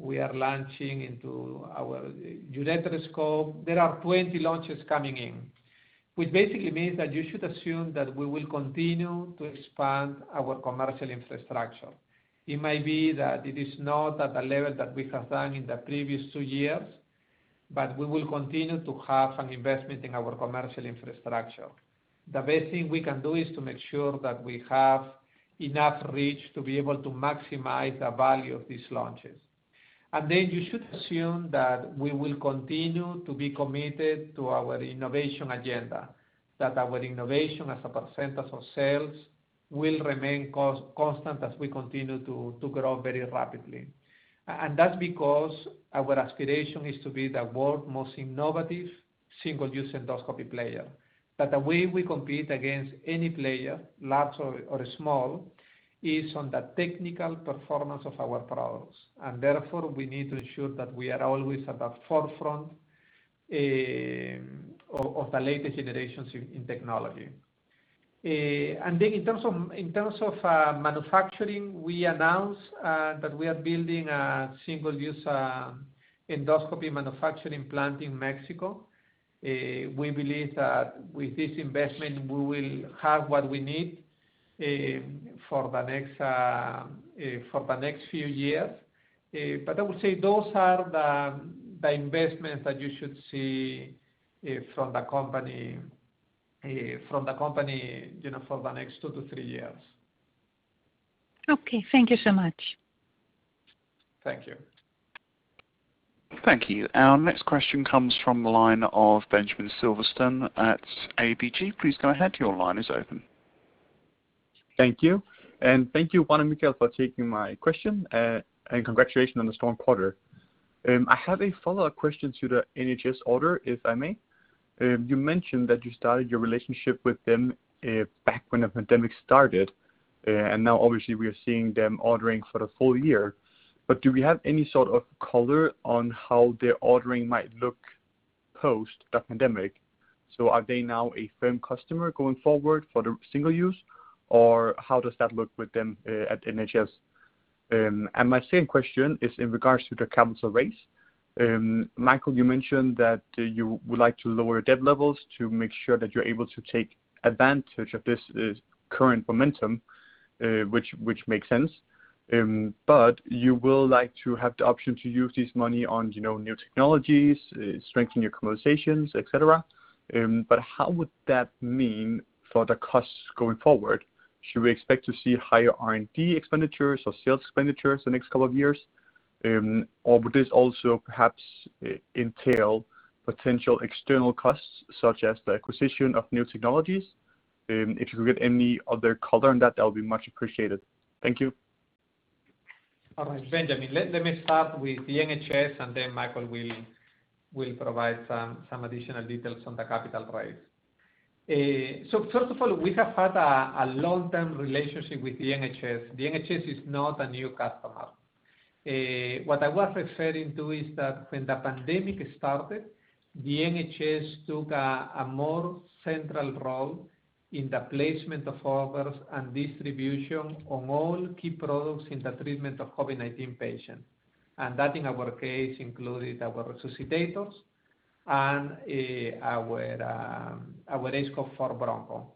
We are launching into our ureteroscope. There are 20 launches coming in, which basically means that you should assume that we will continue to expand our commercial infrastructure. It may be that it is not at the level that we have done in the previous two years, but we will continue to have an investment in our commercial infrastructure. The best thing we can do is to make sure that we have enough reach to be able to maximize the value of these launches. You should assume that we will continue to be committed to our innovation agenda, that our innovation as a percent of sales will remain constant as we continue to grow very rapidly. That's because our aspiration is to be the world's most innovative single-use endoscopy player. That the way we compete against any player, large or small, is on the technical performance of our products. Therefore, we need to ensure that we are always at the forefront of the latest innovations in technology. In terms of manufacturing, we announced that we are building a single-use endoscopy manufacturing plant in Mexico. We believe that with this investment, we will have what we need for the next few years. I would say those are the investments that you should see from the company for the next two to three years. Okay. Thank you so much. Thank you. Thank you. Our next question comes from the line of Benjamin Silverstone at ABG. Please go ahead. Your line is open. Thank you. Thank you, Juan and Michael, for taking my question, and congratulations on the strong quarter. I have a follow-up question to the NHS order, if I may. You mentioned that you started your relationship with them back when the pandemic started, and now obviously we are seeing them ordering for the full year. Do we have any sort of color on how their ordering might look post the pandemic? Are they now a firm customer going forward for the single use, or how does that look with them at NHS? My second question is in regards to the capital raise. Michael, you mentioned that you would like to lower debt levels to make sure that you're able to take advantage of this current momentum, which makes sense. You will like to have the option to use this money on new technologies, strengthen your commercializations, et cetera. How would that mean for the costs going forward? Should we expect to see higher R&D expenditures or sales expenditures the next couple of years? Would this also perhaps entail potential external costs, such as the acquisition of new technologies? If you could give any other color on that would be much appreciated. Thank you. All right, Benjamin. Let me start with the NHS. Then Michael will provide some additional details on the capital raise. First of all, we have had a long-term relationship with the NHS. The NHS is not a new customer. What I was referring to is that when the pandemic started, the NHS took a more central role in the placement of orders and distribution on all key products in the treatment of COVID-19 patients. That, in our case, included our resuscitators and our endoscope for broncho.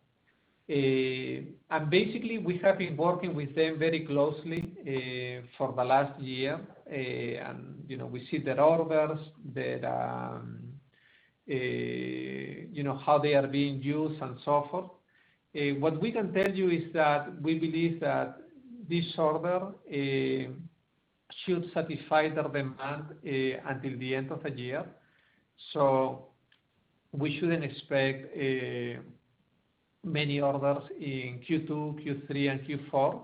Basically, we have been working with them very closely for the last year, and we see their orders, how they are being used, and so forth. What we can tell you is that we believe that this order should satisfy their demand until the end of the year. We shouldn't expect many orders in Q2, Q3, and Q4.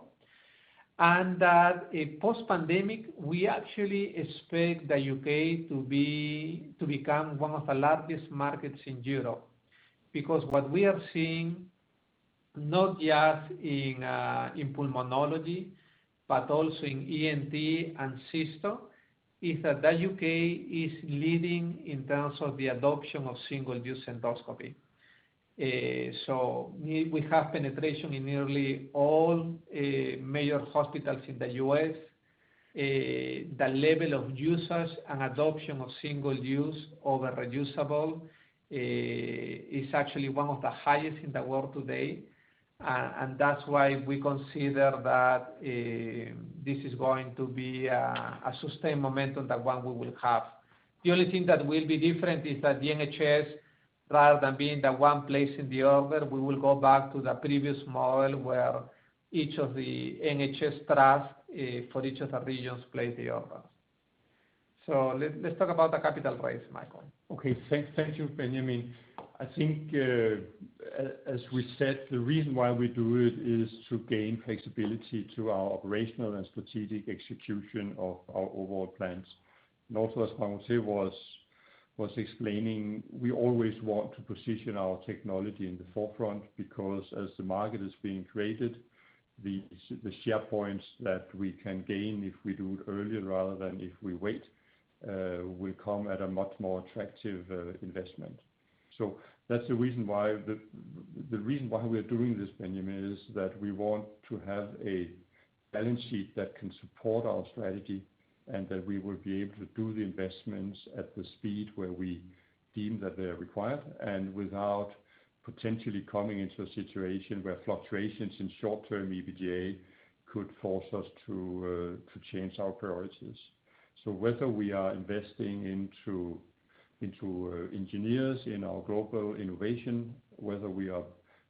That post-pandemic, we actually expect the U.K. to become one of the largest markets in Europe. Because what we are seeing, not just in pulmonology, but also in ENT and Cysto, is that the U.K. is leading in terms of the adoption of single-use endoscopy. We have penetration in nearly all major hospitals in the U.S. The level of users and adoption of single-use over reusable is actually one of the highest in the world today. That's why we consider that this is going to be a sustained momentum, the one we will have. The only thing that will be different is that the NHS, rather than being the one placing the order, we will go back to the previous model where each of the NHS Trust for each of the regions place the orders. Let's talk about the capital raise, Michael. Okay. Thank you, Benjamin. I think, as we said, the reason why we do it is to gain flexibility to our operational and strategic execution of our overall plans. Also as Jose was explaining, we always want to position our technology in the forefront because as the market is being created, the share points that we can gain if we do it earlier rather than if we wait, will come at a much more attractive investment. The reason why we are doing this, Benjamin, is that we want to have a balance sheet that can support our strategy and that we will be able to do the investments at the speed where we deem that they're required, and without potentially coming into a situation where fluctuations in short-term EBITDA could force us to change our priorities. Whether we are investing into engineers in our global innovation, whether we are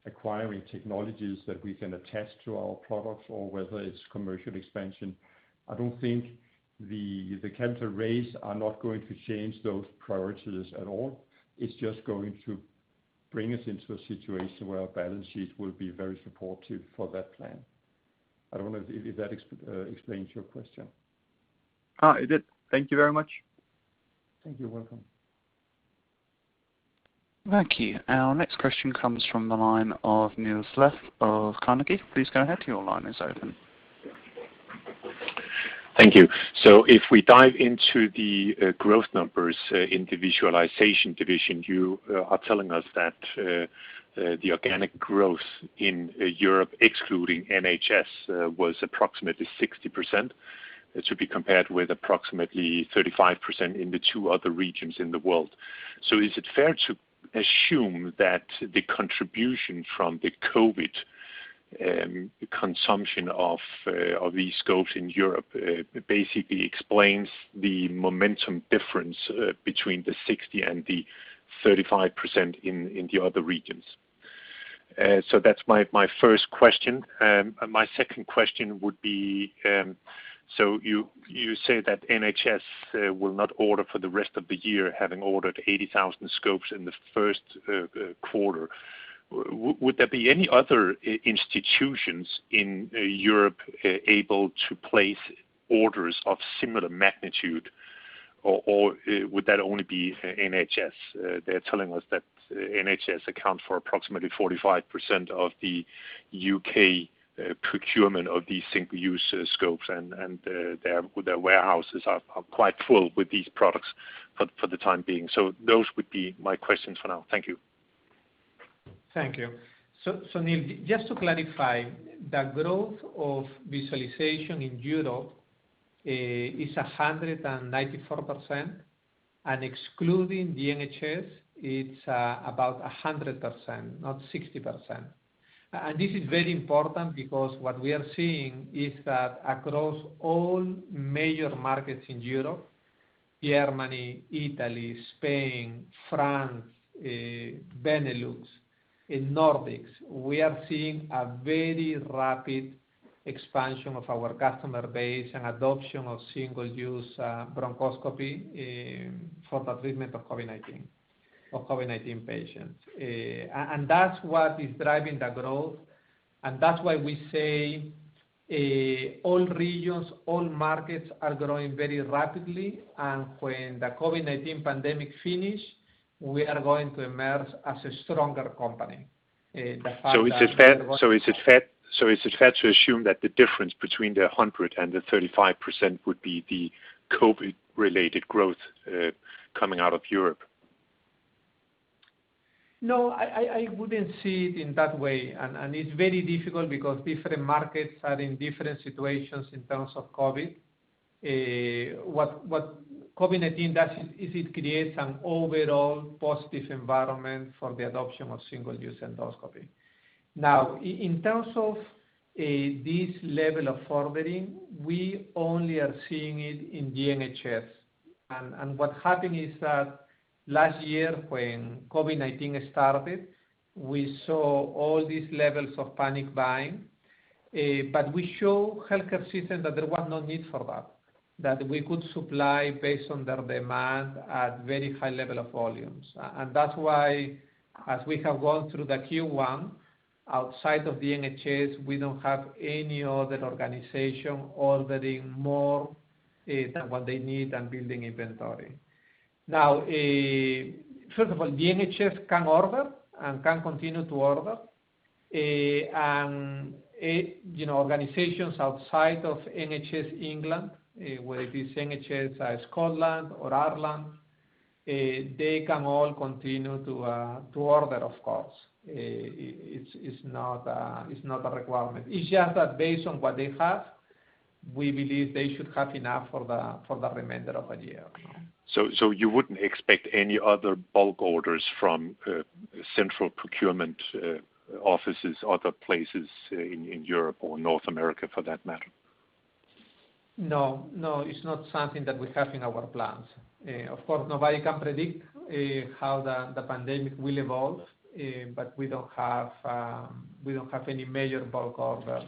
acquiring technologies that we can attach to our products, or whether it's commercial expansion, I don't think the capital raise are not going to change those priorities at all. It's just going to bring us into a situation where our balance sheet will be very supportive for that plan. I don't know if that explains your question. It did. Thank you very much. Thank you. You're welcome. Thank you. Our next question comes from the line of Niels Leth of Carnegie. Please go ahead. Your line is open. Thank you. If we dive into the growth numbers in the visualization division, you are telling us that the organic growth in Europe, excluding NHS, was approximately 60%. It should be compared with approximately 35% in the two other regions in the world. Is it fair to assume that the contribution from the COVID consumption of these scopes in Europe basically explains the momentum difference between the 60% and the 35% in the other regions? That's my first question. My second question would be, you say that NHS will not order for the rest of the year having ordered 80,000 scopes in the first quarter. Would there be any other institutions in Europe able to place orders of similar magnitude, or would that only be NHS? They're telling us that NHS account for approximately 45% of the U.K. procurement of these single-use scopes, and their warehouses are quite full with these products for the time being. Those would be my questions for now. Thank you. Thank you. Niels, just to clarify, the growth of visualization in Europe is 194%, and excluding the NHS, it's about 100%, not 60%. This is very important because what we are seeing is that across all major markets in Europe, Germany, Italy, Spain, France, Benelux, in Nordics, we are seeing a very rapid expansion of our customer base and adoption of single-use bronchoscopy for the treatment of COVID-19 patients. That's what is driving the growth, and that's why we say all regions, all markets are growing very rapidly. When the COVID-19 pandemic finish, we are going to emerge as a stronger company. Is it fair to assume that the difference between the 100% and the 35% would be the COVID-related growth coming out of Europe? No, I wouldn't see it in that way. It's very difficult because different markets are in different situations in terms of COVID. What COVID-19 does is it creates an overall positive environment for the adoption of single-use endoscopy. In terms of this level of ordering, we only are seeing it in the NHS. What happened is that last year when COVID-19 started, we saw all these levels of panic buying. We show healthcare systems that there was no need for that. That we could supply based on their demand at very high level of volumes. That's why, as we have gone through the Q1, outside of the NHS, we don't have any other organization ordering more than what they need and building inventory. First of all, the NHS can order and can continue to order, and organizations outside of NHS England, whether it is NHS Scotland or Ireland, they can all continue to order, of course. It's not a requirement. It's just that based on what they have, we believe they should have enough for the remainder of the year. You wouldn't expect any other bulk orders from central procurement offices, other places in Europe or North America, for that matter? No, it's not something that we have in our plans. Of course, nobody can predict how the pandemic will evolve, but we don't have any major bulk orders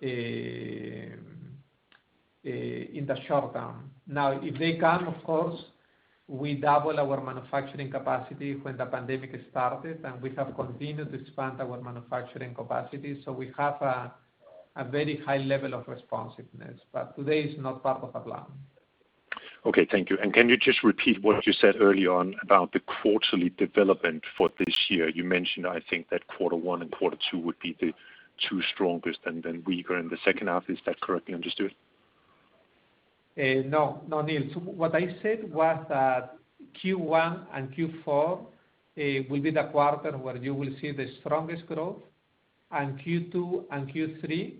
in the short term. If they come, of course, we double our manufacturing capacity when the pandemic started, and we have continued to expand our manufacturing capacity. We have a very high level of responsiveness, but today is not part of the plan. Okay, thank you. Can you just repeat what you said earlier on about the quarterly development for this year? You mentioned, I think, that quarter one and quarter two would be the two strongest and then weaker in the second half. Is that correctly understood? No, Niels. What I said was that Q1 and Q4 will be the quarter where you will see the strongest growth, and Q2 and Q3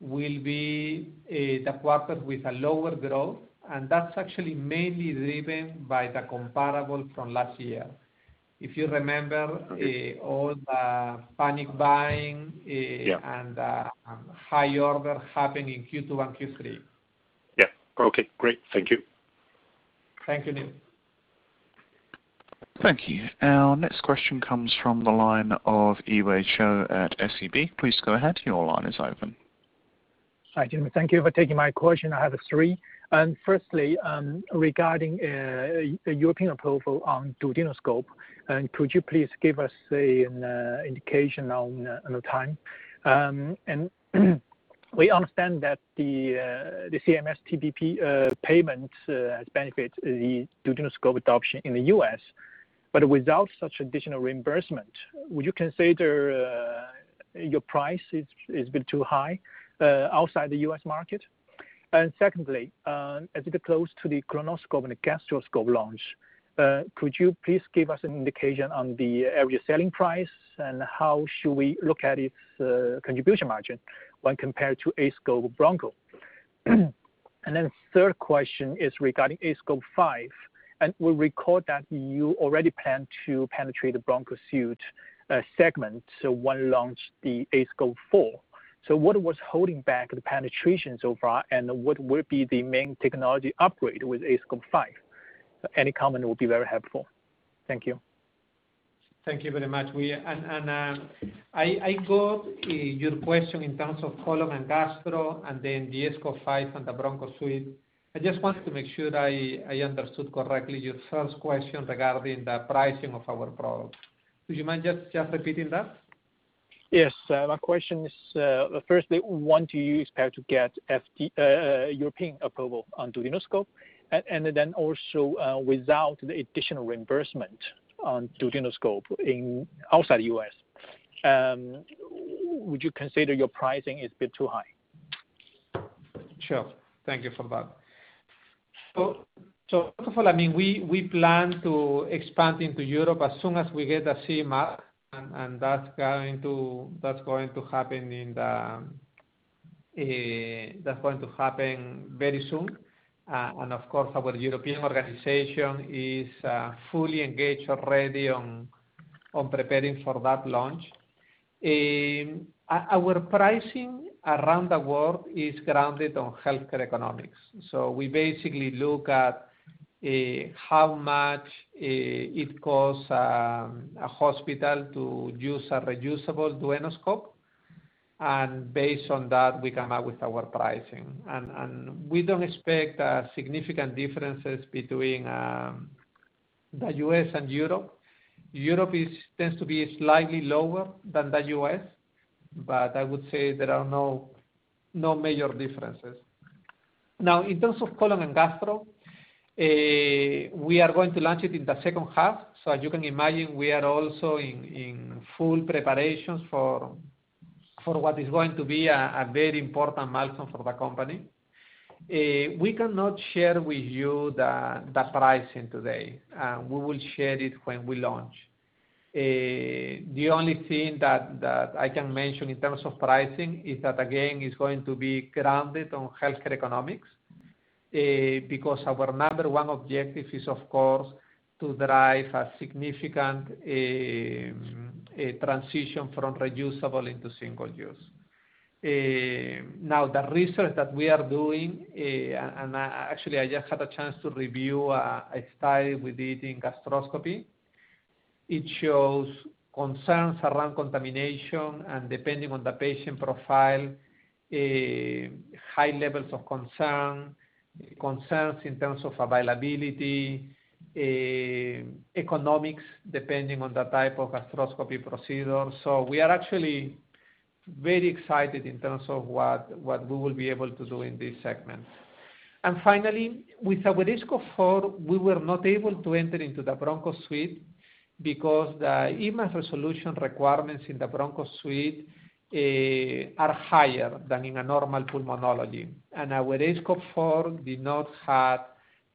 will be the quarter with a lower growth, and that's actually mainly driven by the comparable from last year. If you remember all the panic buying- Yeah. ...and high order happened in Q2 and Q3. Yeah. Okay, great. Thank you. Thank you, Niels. Thank you. Our next question comes from the line of Yiwei Zhou at SEB. Please go ahead. Your line is open. Hi, gentlemen. Thank you for taking my question. I have three. Firstly, regarding European approval on duodenoscope, could you please give us an indication on the time? Without such additional reimbursement, would you consider your price is a bit too high outside the U.S. market? We understand that the CMS TPT payment has benefited the duodenoscope adoption in the U.S. Secondly, as we get close to the colonoscope and gastroscope launch, could you please give us an indication on the average selling price and how should we look at its contribution margin when compared to aScope Broncho? Third question is regarding aScope 5. We recall that you already plan to penetrate the bronchoscopy suite segment when you launched the aScope 4. What was holding back the penetration so far, and what will be the main technology upgrade with aScope 5? Any comment will be very helpful. Thank you. Thank you very much. I got your question in terms of colon and gastro and then the aScope 5 and the broncho suite. I just wanted to make sure I understood correctly your first question regarding the pricing of our products. Would you mind just repeating that? Yes. My question is, firstly, when do you expect to get European approval on duodenoscope, then also without the additional reimbursement on duodenoscope outside the U.S., would you consider your pricing is a bit too high? Sure. Thank you for that. First of all, we plan to expand into Europe as soon as we get the CE mark, and that's going to happen very soon. Of course, our European organization is fully engaged already on preparing for that launch. Our pricing around the world is grounded on healthcare economics. We basically look at how much it costs a hospital to use a reusable duodenoscope, and based on that, we come up with our pricing. We don't expect significant differences between the U.S. and Europe. Europe tends to be slightly lower than the U.S., I would say there are no major differences. In terms of colon and gastro, we are going to launch it in the second half. As you can imagine, we are also in full preparations for what is going to be a very important milestone for the company. We cannot share with you the pricing today. We will share it when we launch. The only thing that I can mention in terms of pricing is that, again, it's going to be grounded on healthcare economics, because our number one objective is, of course, to drive a significant transition from reusable into single-use. The research that we are doing, and actually, I just had a chance to review a study we did in gastroscopy. It shows concerns around contamination and depending on the patient profile, high levels of concern, concerns in terms of availability, economics, depending on the type of gastroscopy procedure. We are actually very excited in terms of what we will be able to do in this segment. Finally, with our aScope 4, we were not able to enter into the broncho suite because the image resolution requirements in the broncho suite are higher than in a normal pulmonology. Our aScope 4 did not have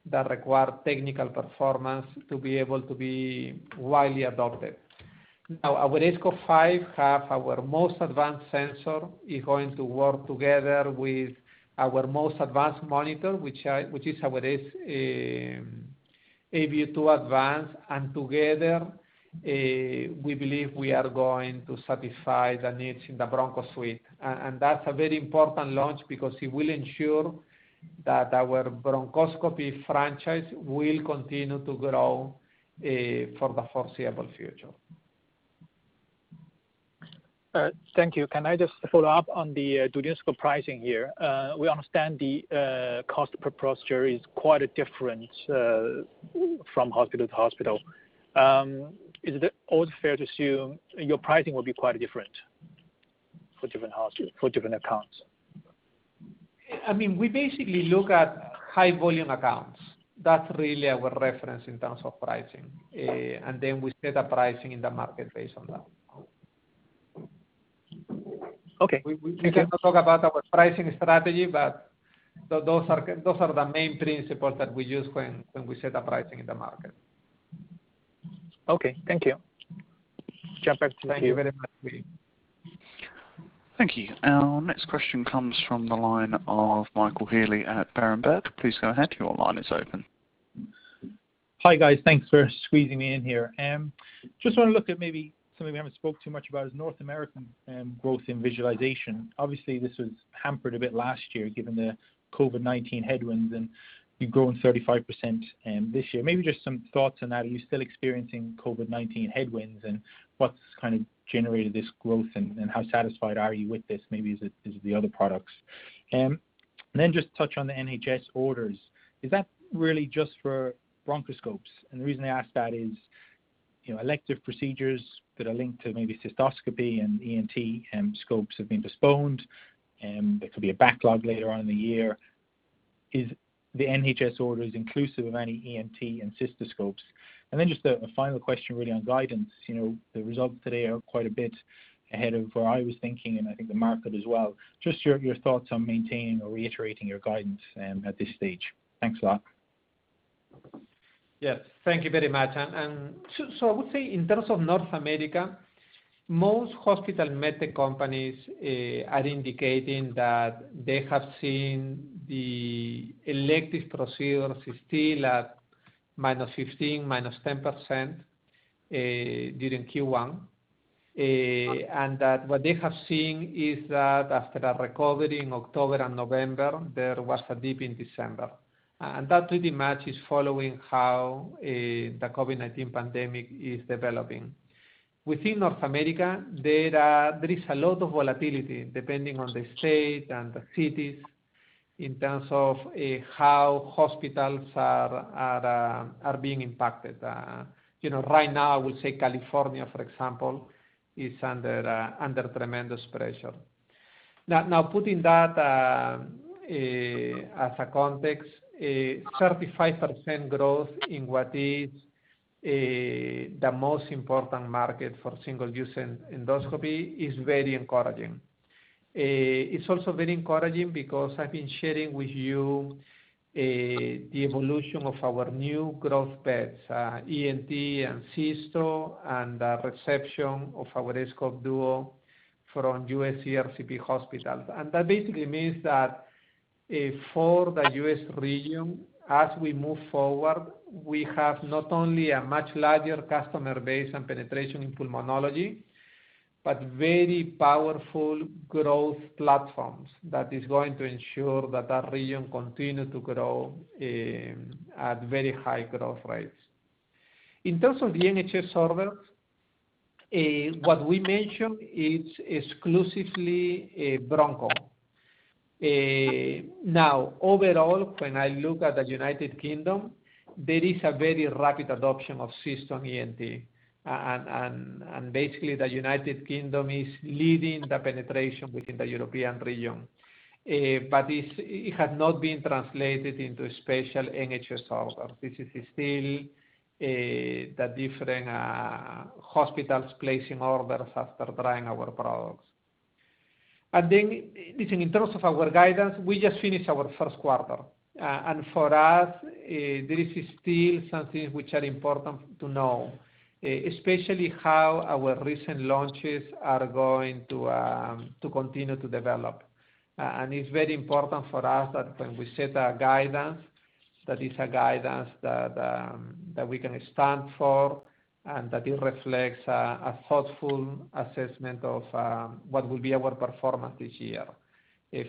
the required technical performance to be able to be widely adopted. Now, our aScope 5 have our most advanced sensor. It's going to work together with our most advanced monitor, which is our aView 2 Advance, together, we believe we are going to satisfy the needs in the broncho suite. That's a very important launch because it will ensure that our bronchoscopy franchise will continue to grow for the foreseeable future. Thank you. Can I just follow up on the duodenoscope pricing here? We understand the cost per procedure is quite different from hospital to hospital. Is it at all fair to assume your pricing will be quite different for different accounts? We basically look at high-volume accounts. That's really our reference in terms of pricing. We set the pricing in the market based on that. Okay. We cannot talk about our pricing strategy, but those are the main principles that we use when we set up pricing in the market. Okay. Thank you. Jump back to you. Thank you very much. Thank you. Our next question comes from the line of Michael Healy at Berenberg. Please go ahead. Your line is open. Hi, guys. Thanks for squeezing me in here. Just want to look at maybe something we haven't spoke too much about is North American growth in visualization. Obviously, this was hampered a bit last year given the COVID-19 headwinds, and you're growing 35% this year. Maybe just some thoughts on that. Are you still experiencing COVID-19 headwinds, and what's generated this growth, and how satisfied are you with this? Maybe is it the other products? Just touch on the NHS orders. Is that really just for bronchoscopes? The reason I ask that is, elective procedures that are linked to maybe cystoscopy and ENT scopes have been postponed. There could be a backlog later on in the year. Is the NHS orders inclusive of any ENT and cystoscopes? Just a final question, really, on guidance. The results today are quite a bit ahead of where I was thinking, and I think the market as well. Just your thoughts on maintaining or reiterating your guidance at this stage? Thanks a lot. Yes. Thank you very much. I would say in terms of North America, most hospital med tech companies are indicating that they have seen the elective procedures still at -15%, -10% during Q1. What they have seen is that after that recovery in October and November, there was a dip in December. That pretty much is following how the COVID-19 pandemic is developing. Within North America, there is a lot of volatility depending on the state and the cities in terms of how hospitals are being impacted. Right now, I would say California, for example, is under tremendous pressure. Putting that as a context, 35% growth in what is the most important market for single-use endoscopy is very encouraging. It's also very encouraging because I've been sharing with you the evolution of our new growth bets, ENT, and Cysto, and the reception of our aScope Duo from U.S. ERCP hospitals. That basically means that for the U.S. region, as we move forward, we have not only a much larger customer base and penetration in pulmonology, but very powerful growth platforms that is going to ensure that that region continue to grow at very high growth rates. In terms of the NHS order, what we mentioned is exclusively broncho. Overall, when I look at the U.K., there is a very rapid adoption of Cysto and ENT, and basically, the U.K. is leading the penetration within the European region. It has not been translated into special NHS order. This is still the different hospitals placing orders after trying our products. Listen, in terms of our guidance, we just finished our first quarter. For us, there is still some things which are important to know, especially how our recent launches are going to continue to develop. It's very important for us that when we set a guidance, that it's a guidance that we can stand for, and that it reflects a thoughtful assessment of what will be our performance this year.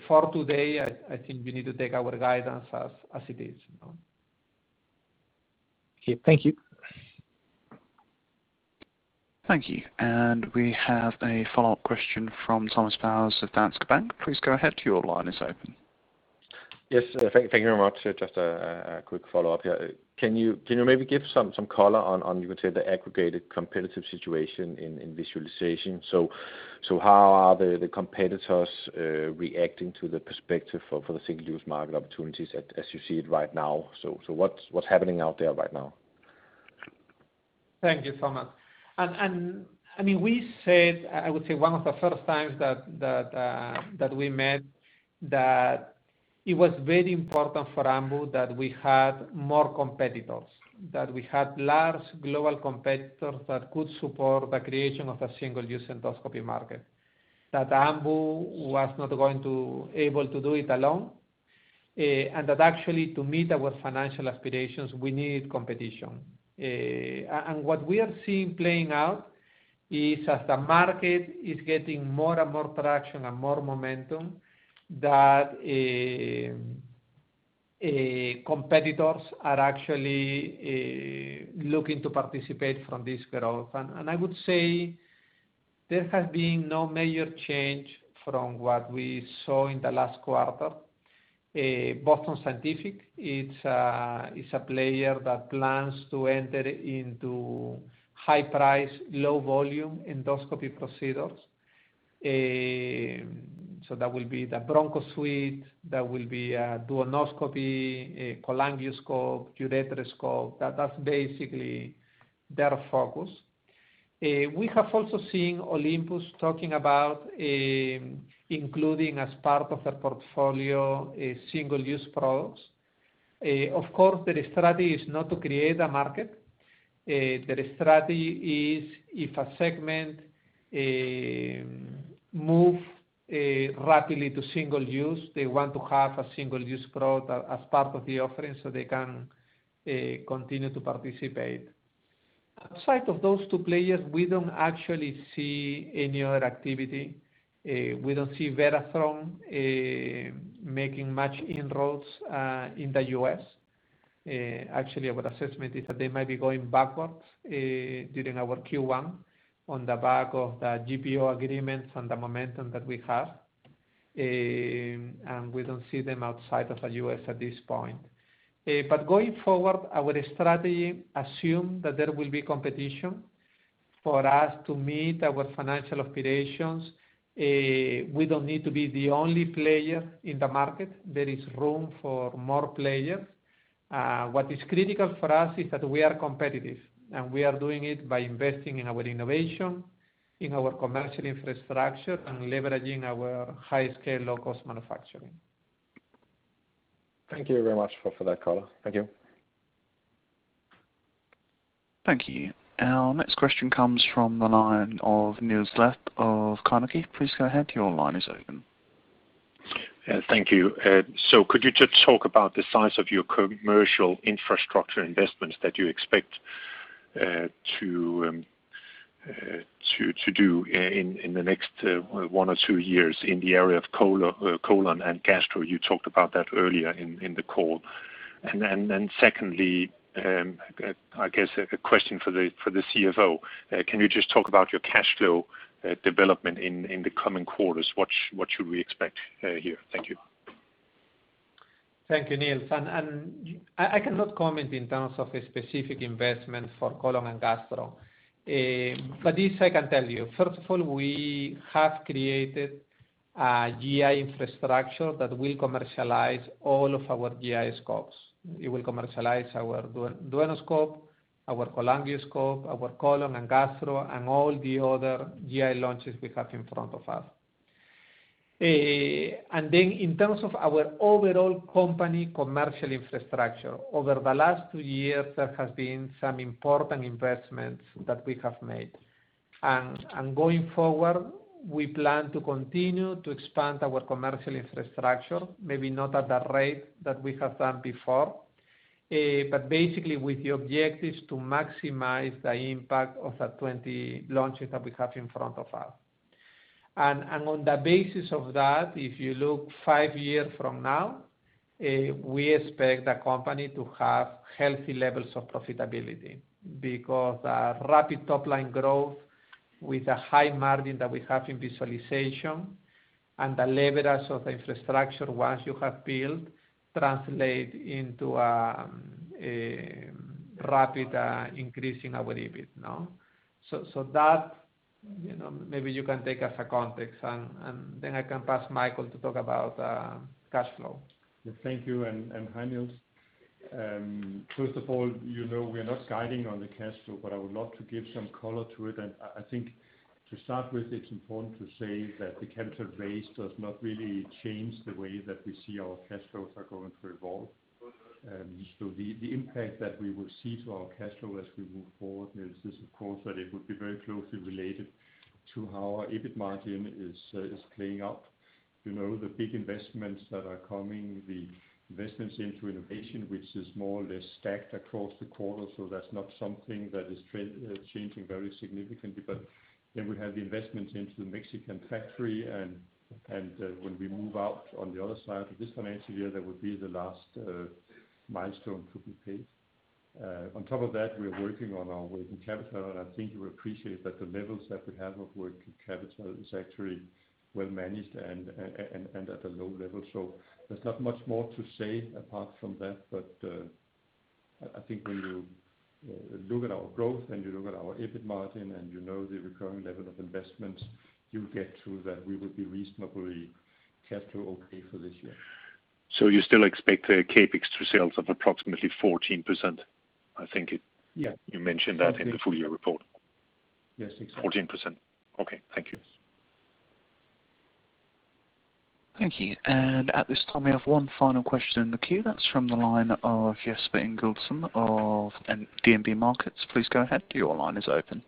For today, I think we need to take our guidance as it is. Okay. Thank you. Thank you. We have a follow-up question from Thomas Bowers of Danske Bank. Please go ahead. Your line is open. Yes. Thank you very much. Just a quick follow-up here. Can you maybe give some color on, you would say, the aggregated competitive situation in visualization? How are the competitors reacting to the perspective for the single-use market opportunities as you see it right now? What's happening out there right now? Thank you, Thomas. We said, I would say one of the first times that we met, that it was very important for Ambu that we had more competitors, that we had large global competitors that could support the creation of a single-use endoscopy market. That Ambu was not going to able to do it alone, and that actually to meet our financial aspirations, we needed competition. What we are seeing playing out is as the market is getting more and more traction and more momentum, that competitors are actually looking to participate from this growth. I would say there has been no major change from what we saw in the last quarter. Boston Scientific, it's a player that plans to enter into high price, low volume endoscopy procedures. That will be the bronchoscopy suite, that will be duodenoscopy, cholangioscopy, ureteroscope. That's basically their focus. We have also seen Olympus talking about including as part of their portfolio, single-use products. Of course, their strategy is not to create a market. Their strategy is if a segment moves rapidly to single use, they want to have a single use product as part of the offering so they can continue to participate. Outside of those two players, we don't actually see any other activity. We don't see Verathon making much inroads in the U.S. Actually, our assessment is that they might be going backwards during our Q1 on the back of the GPO agreements and the momentum that we have. We don't see them outside of the U.S. at this point. Going forward, our strategy assumes that there will be competition for us to meet our financial operations. We don't need to be the only player in the market. There is room for more players. What is critical for us is that we are competitive, and we are doing it by investing in our innovation, in our commercial infrastructure, and leveraging our high scale, low-cost manufacturing. Thank you very much for that call. Thank you. Thank you. Our next question comes from the line of Niels Leth of Carnegie. Please go ahead. Your line is open. Thank you. Could you just talk about the size of your commercial infrastructure investments that you expect to do in the next one or two years in the area of colon and gastro? You talked about that earlier in the call. Secondly, I guess a question for the CFO. Can you just talk about your cash flow development in the coming quarters? What should we expect here? Thank you. Thank you, Niels. I cannot comment in terms of a specific investment for colon and gastro. This I can tell you. First of all, we have created a GI infrastructure that will commercialize all of our GI scopes. It will commercialize our duodenoscope, our cholangioscope, our colon and gastro, and all the other GI launches we have in front of us. In terms of our overall company commercial infrastructure, over the last two years, there have been some important investments that we have made. Going forward, we plan to continue to expand our commercial infrastructure, maybe not at the rate that we have done before. Basically, with the objectives to maximize the impact of the 20 launches that we have in front of us. On the basis of that, if you look five years from now, we expect the company to have healthy levels of profitability because the rapid top-line growth with a high margin that we have in visualization and the leverage of the infrastructure once you have built translate into a rapid increase in our EBIT. That, maybe you can take as a context, and then I can pass Michael to talk about cash flow. Thank you. Hi, Niels. First of all, you know we are not guiding on the cash flow, I would love to give some color to it. I think to start with, it's important to say that the capital raise does not really change the way that we see our cash flows are going to evolve. The impact that we will see to our cash flow as we move forward, Niels, is of course, that it would be very closely related to how our EBIT margin is playing out. The big investments that are coming, the investments into innovation, which is more or less stacked across the quarter, that's not something that is changing very significantly. We have the investments into the Mexican factory, and when we move out on the other side of this financial year, that will be the last milestone to be paid. We are working on our working capital, and I think you will appreciate that the levels that we have of working capital is actually well managed and at a low level. There's not much more to say apart from that, but I think when you look at our growth and you look at our EBIT margin and you know the recurring level of investments, you get to that we will be reasonably capital OK for this year. You still expect CapEx to sales of approximately 14%? Yeah. You mentioned that in the full year report. Yes, exactly. 14%. Okay. Thank you. Thank you. At this time, we have one final question in the queue. That's from the line of Jesper Ingildsen of DNB Markets. Please go ahead. Your line is open.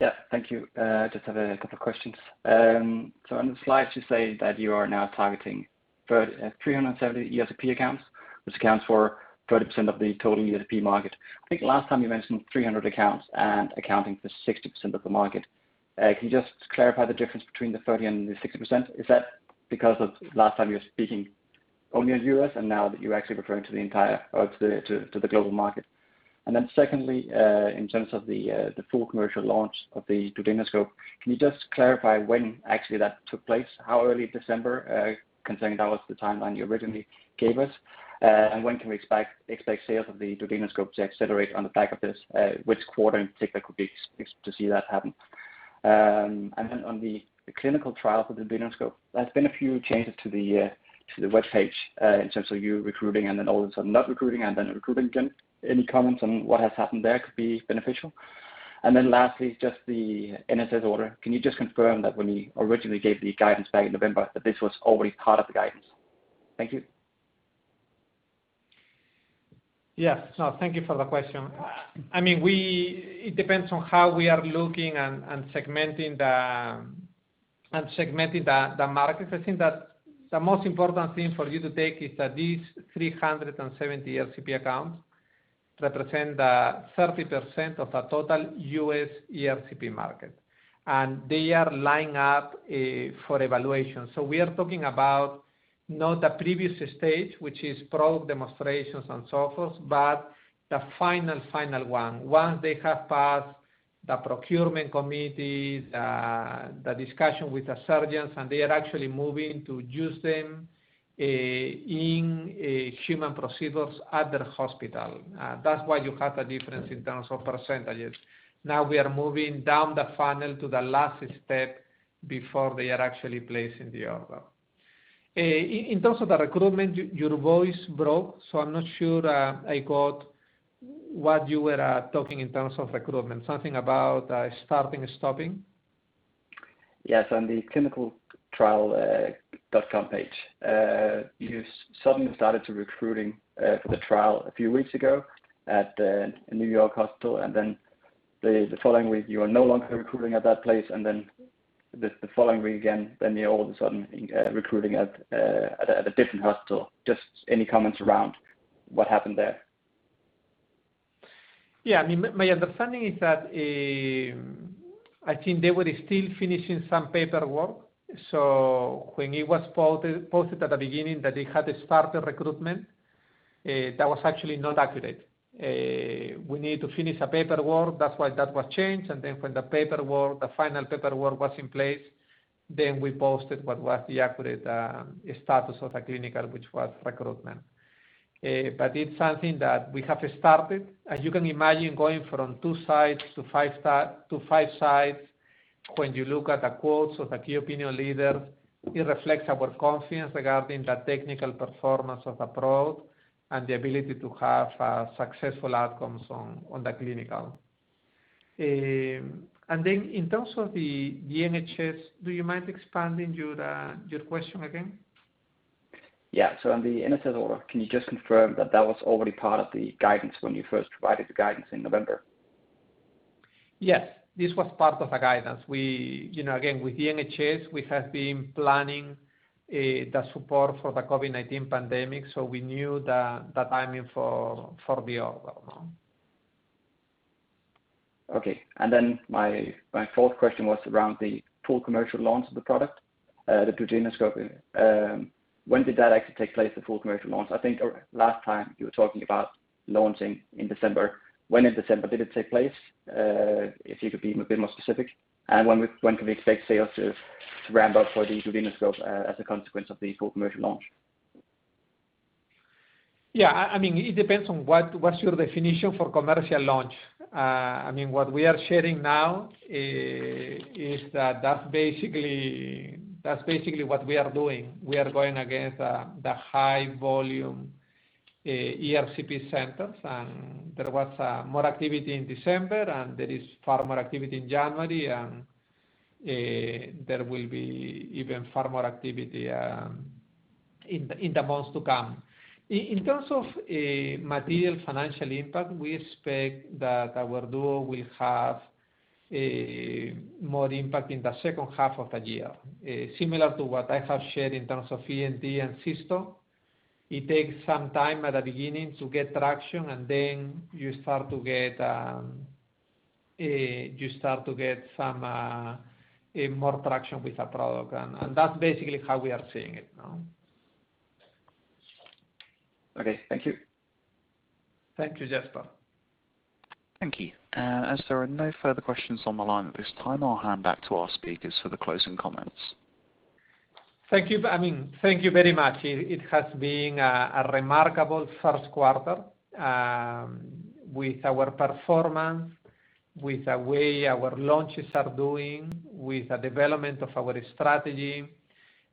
Yeah, thank you. Just have a couple questions. On the slides, you say that you are now targeting 370 ERCP accounts, which accounts for 30% of the total ERCP market. I think last time you mentioned 300 accounts and accounting for 60% of the market. Can you just clarify the difference between the 30% and the 60%? Is that because of last time you were speaking only in the U.S. and now that you're actually referring to the global market? Secondly, in terms of the full commercial launch of the duodenoscope, can you just clarify when actually that took place, how early December, considering that was the timeline you originally gave us? And when can we expect sales of the duodenoscope to accelerate on the back of this, which quarter in particular could we expect to see that happen? On the clinical trial for the duodenoscope, there's been a few changes to the webpage in terms of you recruiting and then all of a sudden not recruiting and then recruiting again. Any comments on what has happened there could be beneficial. Lastly, just the NHS order. Can you just confirm that when you originally gave the guidance back in November, that this was already part of the guidance? Thank you. Yes. No, thank you for the question. It depends on how we are looking and segmenting the markets. I think that the most important thing for you to take is that these 370 ERCP accounts represent 30% of the total U.S. ERCP market, and they are lining up for evaluation. We are talking about not the previous stage, which is product demonstrations and so forth, but the final one. Once they have passed the procurement committee, the discussion with the surgeons, and they are actually moving to use them in human procedures at their hospital. That's why you have the difference in terms of percentages. Now we are moving down the funnel to the last step before they are actually placing the order. In terms of the recruitment, your voice broke, so I'm not sure I got what you were talking in terms of recruitment, something about starting, stopping? Yes, on the ClinicalTrials.gov page. You suddenly started recruiting for the trial a few weeks ago at a New York hospital, and then the following week, you are no longer recruiting at that place, and then the following week again, then you're all of a sudden recruiting at a different hospital. Just any comments around what happened there? Yeah. My understanding is that, I think they were still finishing some paperwork. When it was posted at the beginning that they had started recruitment, that was actually not accurate. We need to finish the paperwork. That's why that was changed. When the paperwork, the final paperwork was in place, then we posted what was the accurate status of the clinical, which was recruitment. It's something that we have started. As you can imagine, going from two sites to five sites, when you look at the quotes of the key opinion leader, it reflects our confidence regarding the technical performance of the product and the ability to have successful outcomes on the clinical. In terms of the NHS, do you mind expanding your question again? Yeah. On the NHS order, can you just confirm that that was already part of the guidance when you first provided the guidance in November? Yes. This was part of the guidance. With the NHS, we have been planning the support for the COVID-19 pandemic, so we knew the timing for the order. My fourth question was around the full commercial launch of the product, the duodenoscope. When did that actually take place, the full commercial launch? I think last time you were talking about launching in December. When in December did it take place? If you could be a bit more specific. When can we expect sales to ramp up for the duodenoscope as a consequence of the full commercial launch? Yeah. It depends on what's your definition for commercial launch. What we are sharing now is that that's basically what we are doing. We are going against the high volume ERCP centers, and there was more activity in December, and there is far more activity in January, and there will be even far more activity in the months to come. In terms of material financial impact, we expect that our Duo will have more impact in the second half of the year. Similar to what I have shared in terms of ENT and Cysto, it takes some time at the beginning to get traction, and then you start to get more traction with the product. That's basically how we are seeing it now. Okay. Thank you. Thank you, Jesper. Thank you. As there are no further questions on the line at this time, I'll hand back to our speakers for the closing comments. Thank you very much. It has been a remarkable first quarter with our performance, with the way our launches are doing, with the development of our strategy,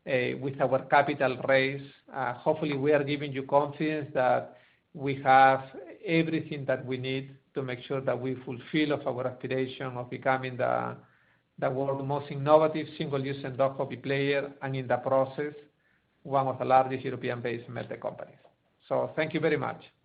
with our capital raise. Hopefully, we are giving you confidence that we have everything that we need to make sure that we fulfill of our aspiration of becoming the world's most innovative, single-use endoscopy player, and in the process, one of the largest European-based MedTech companies. Thank you very much.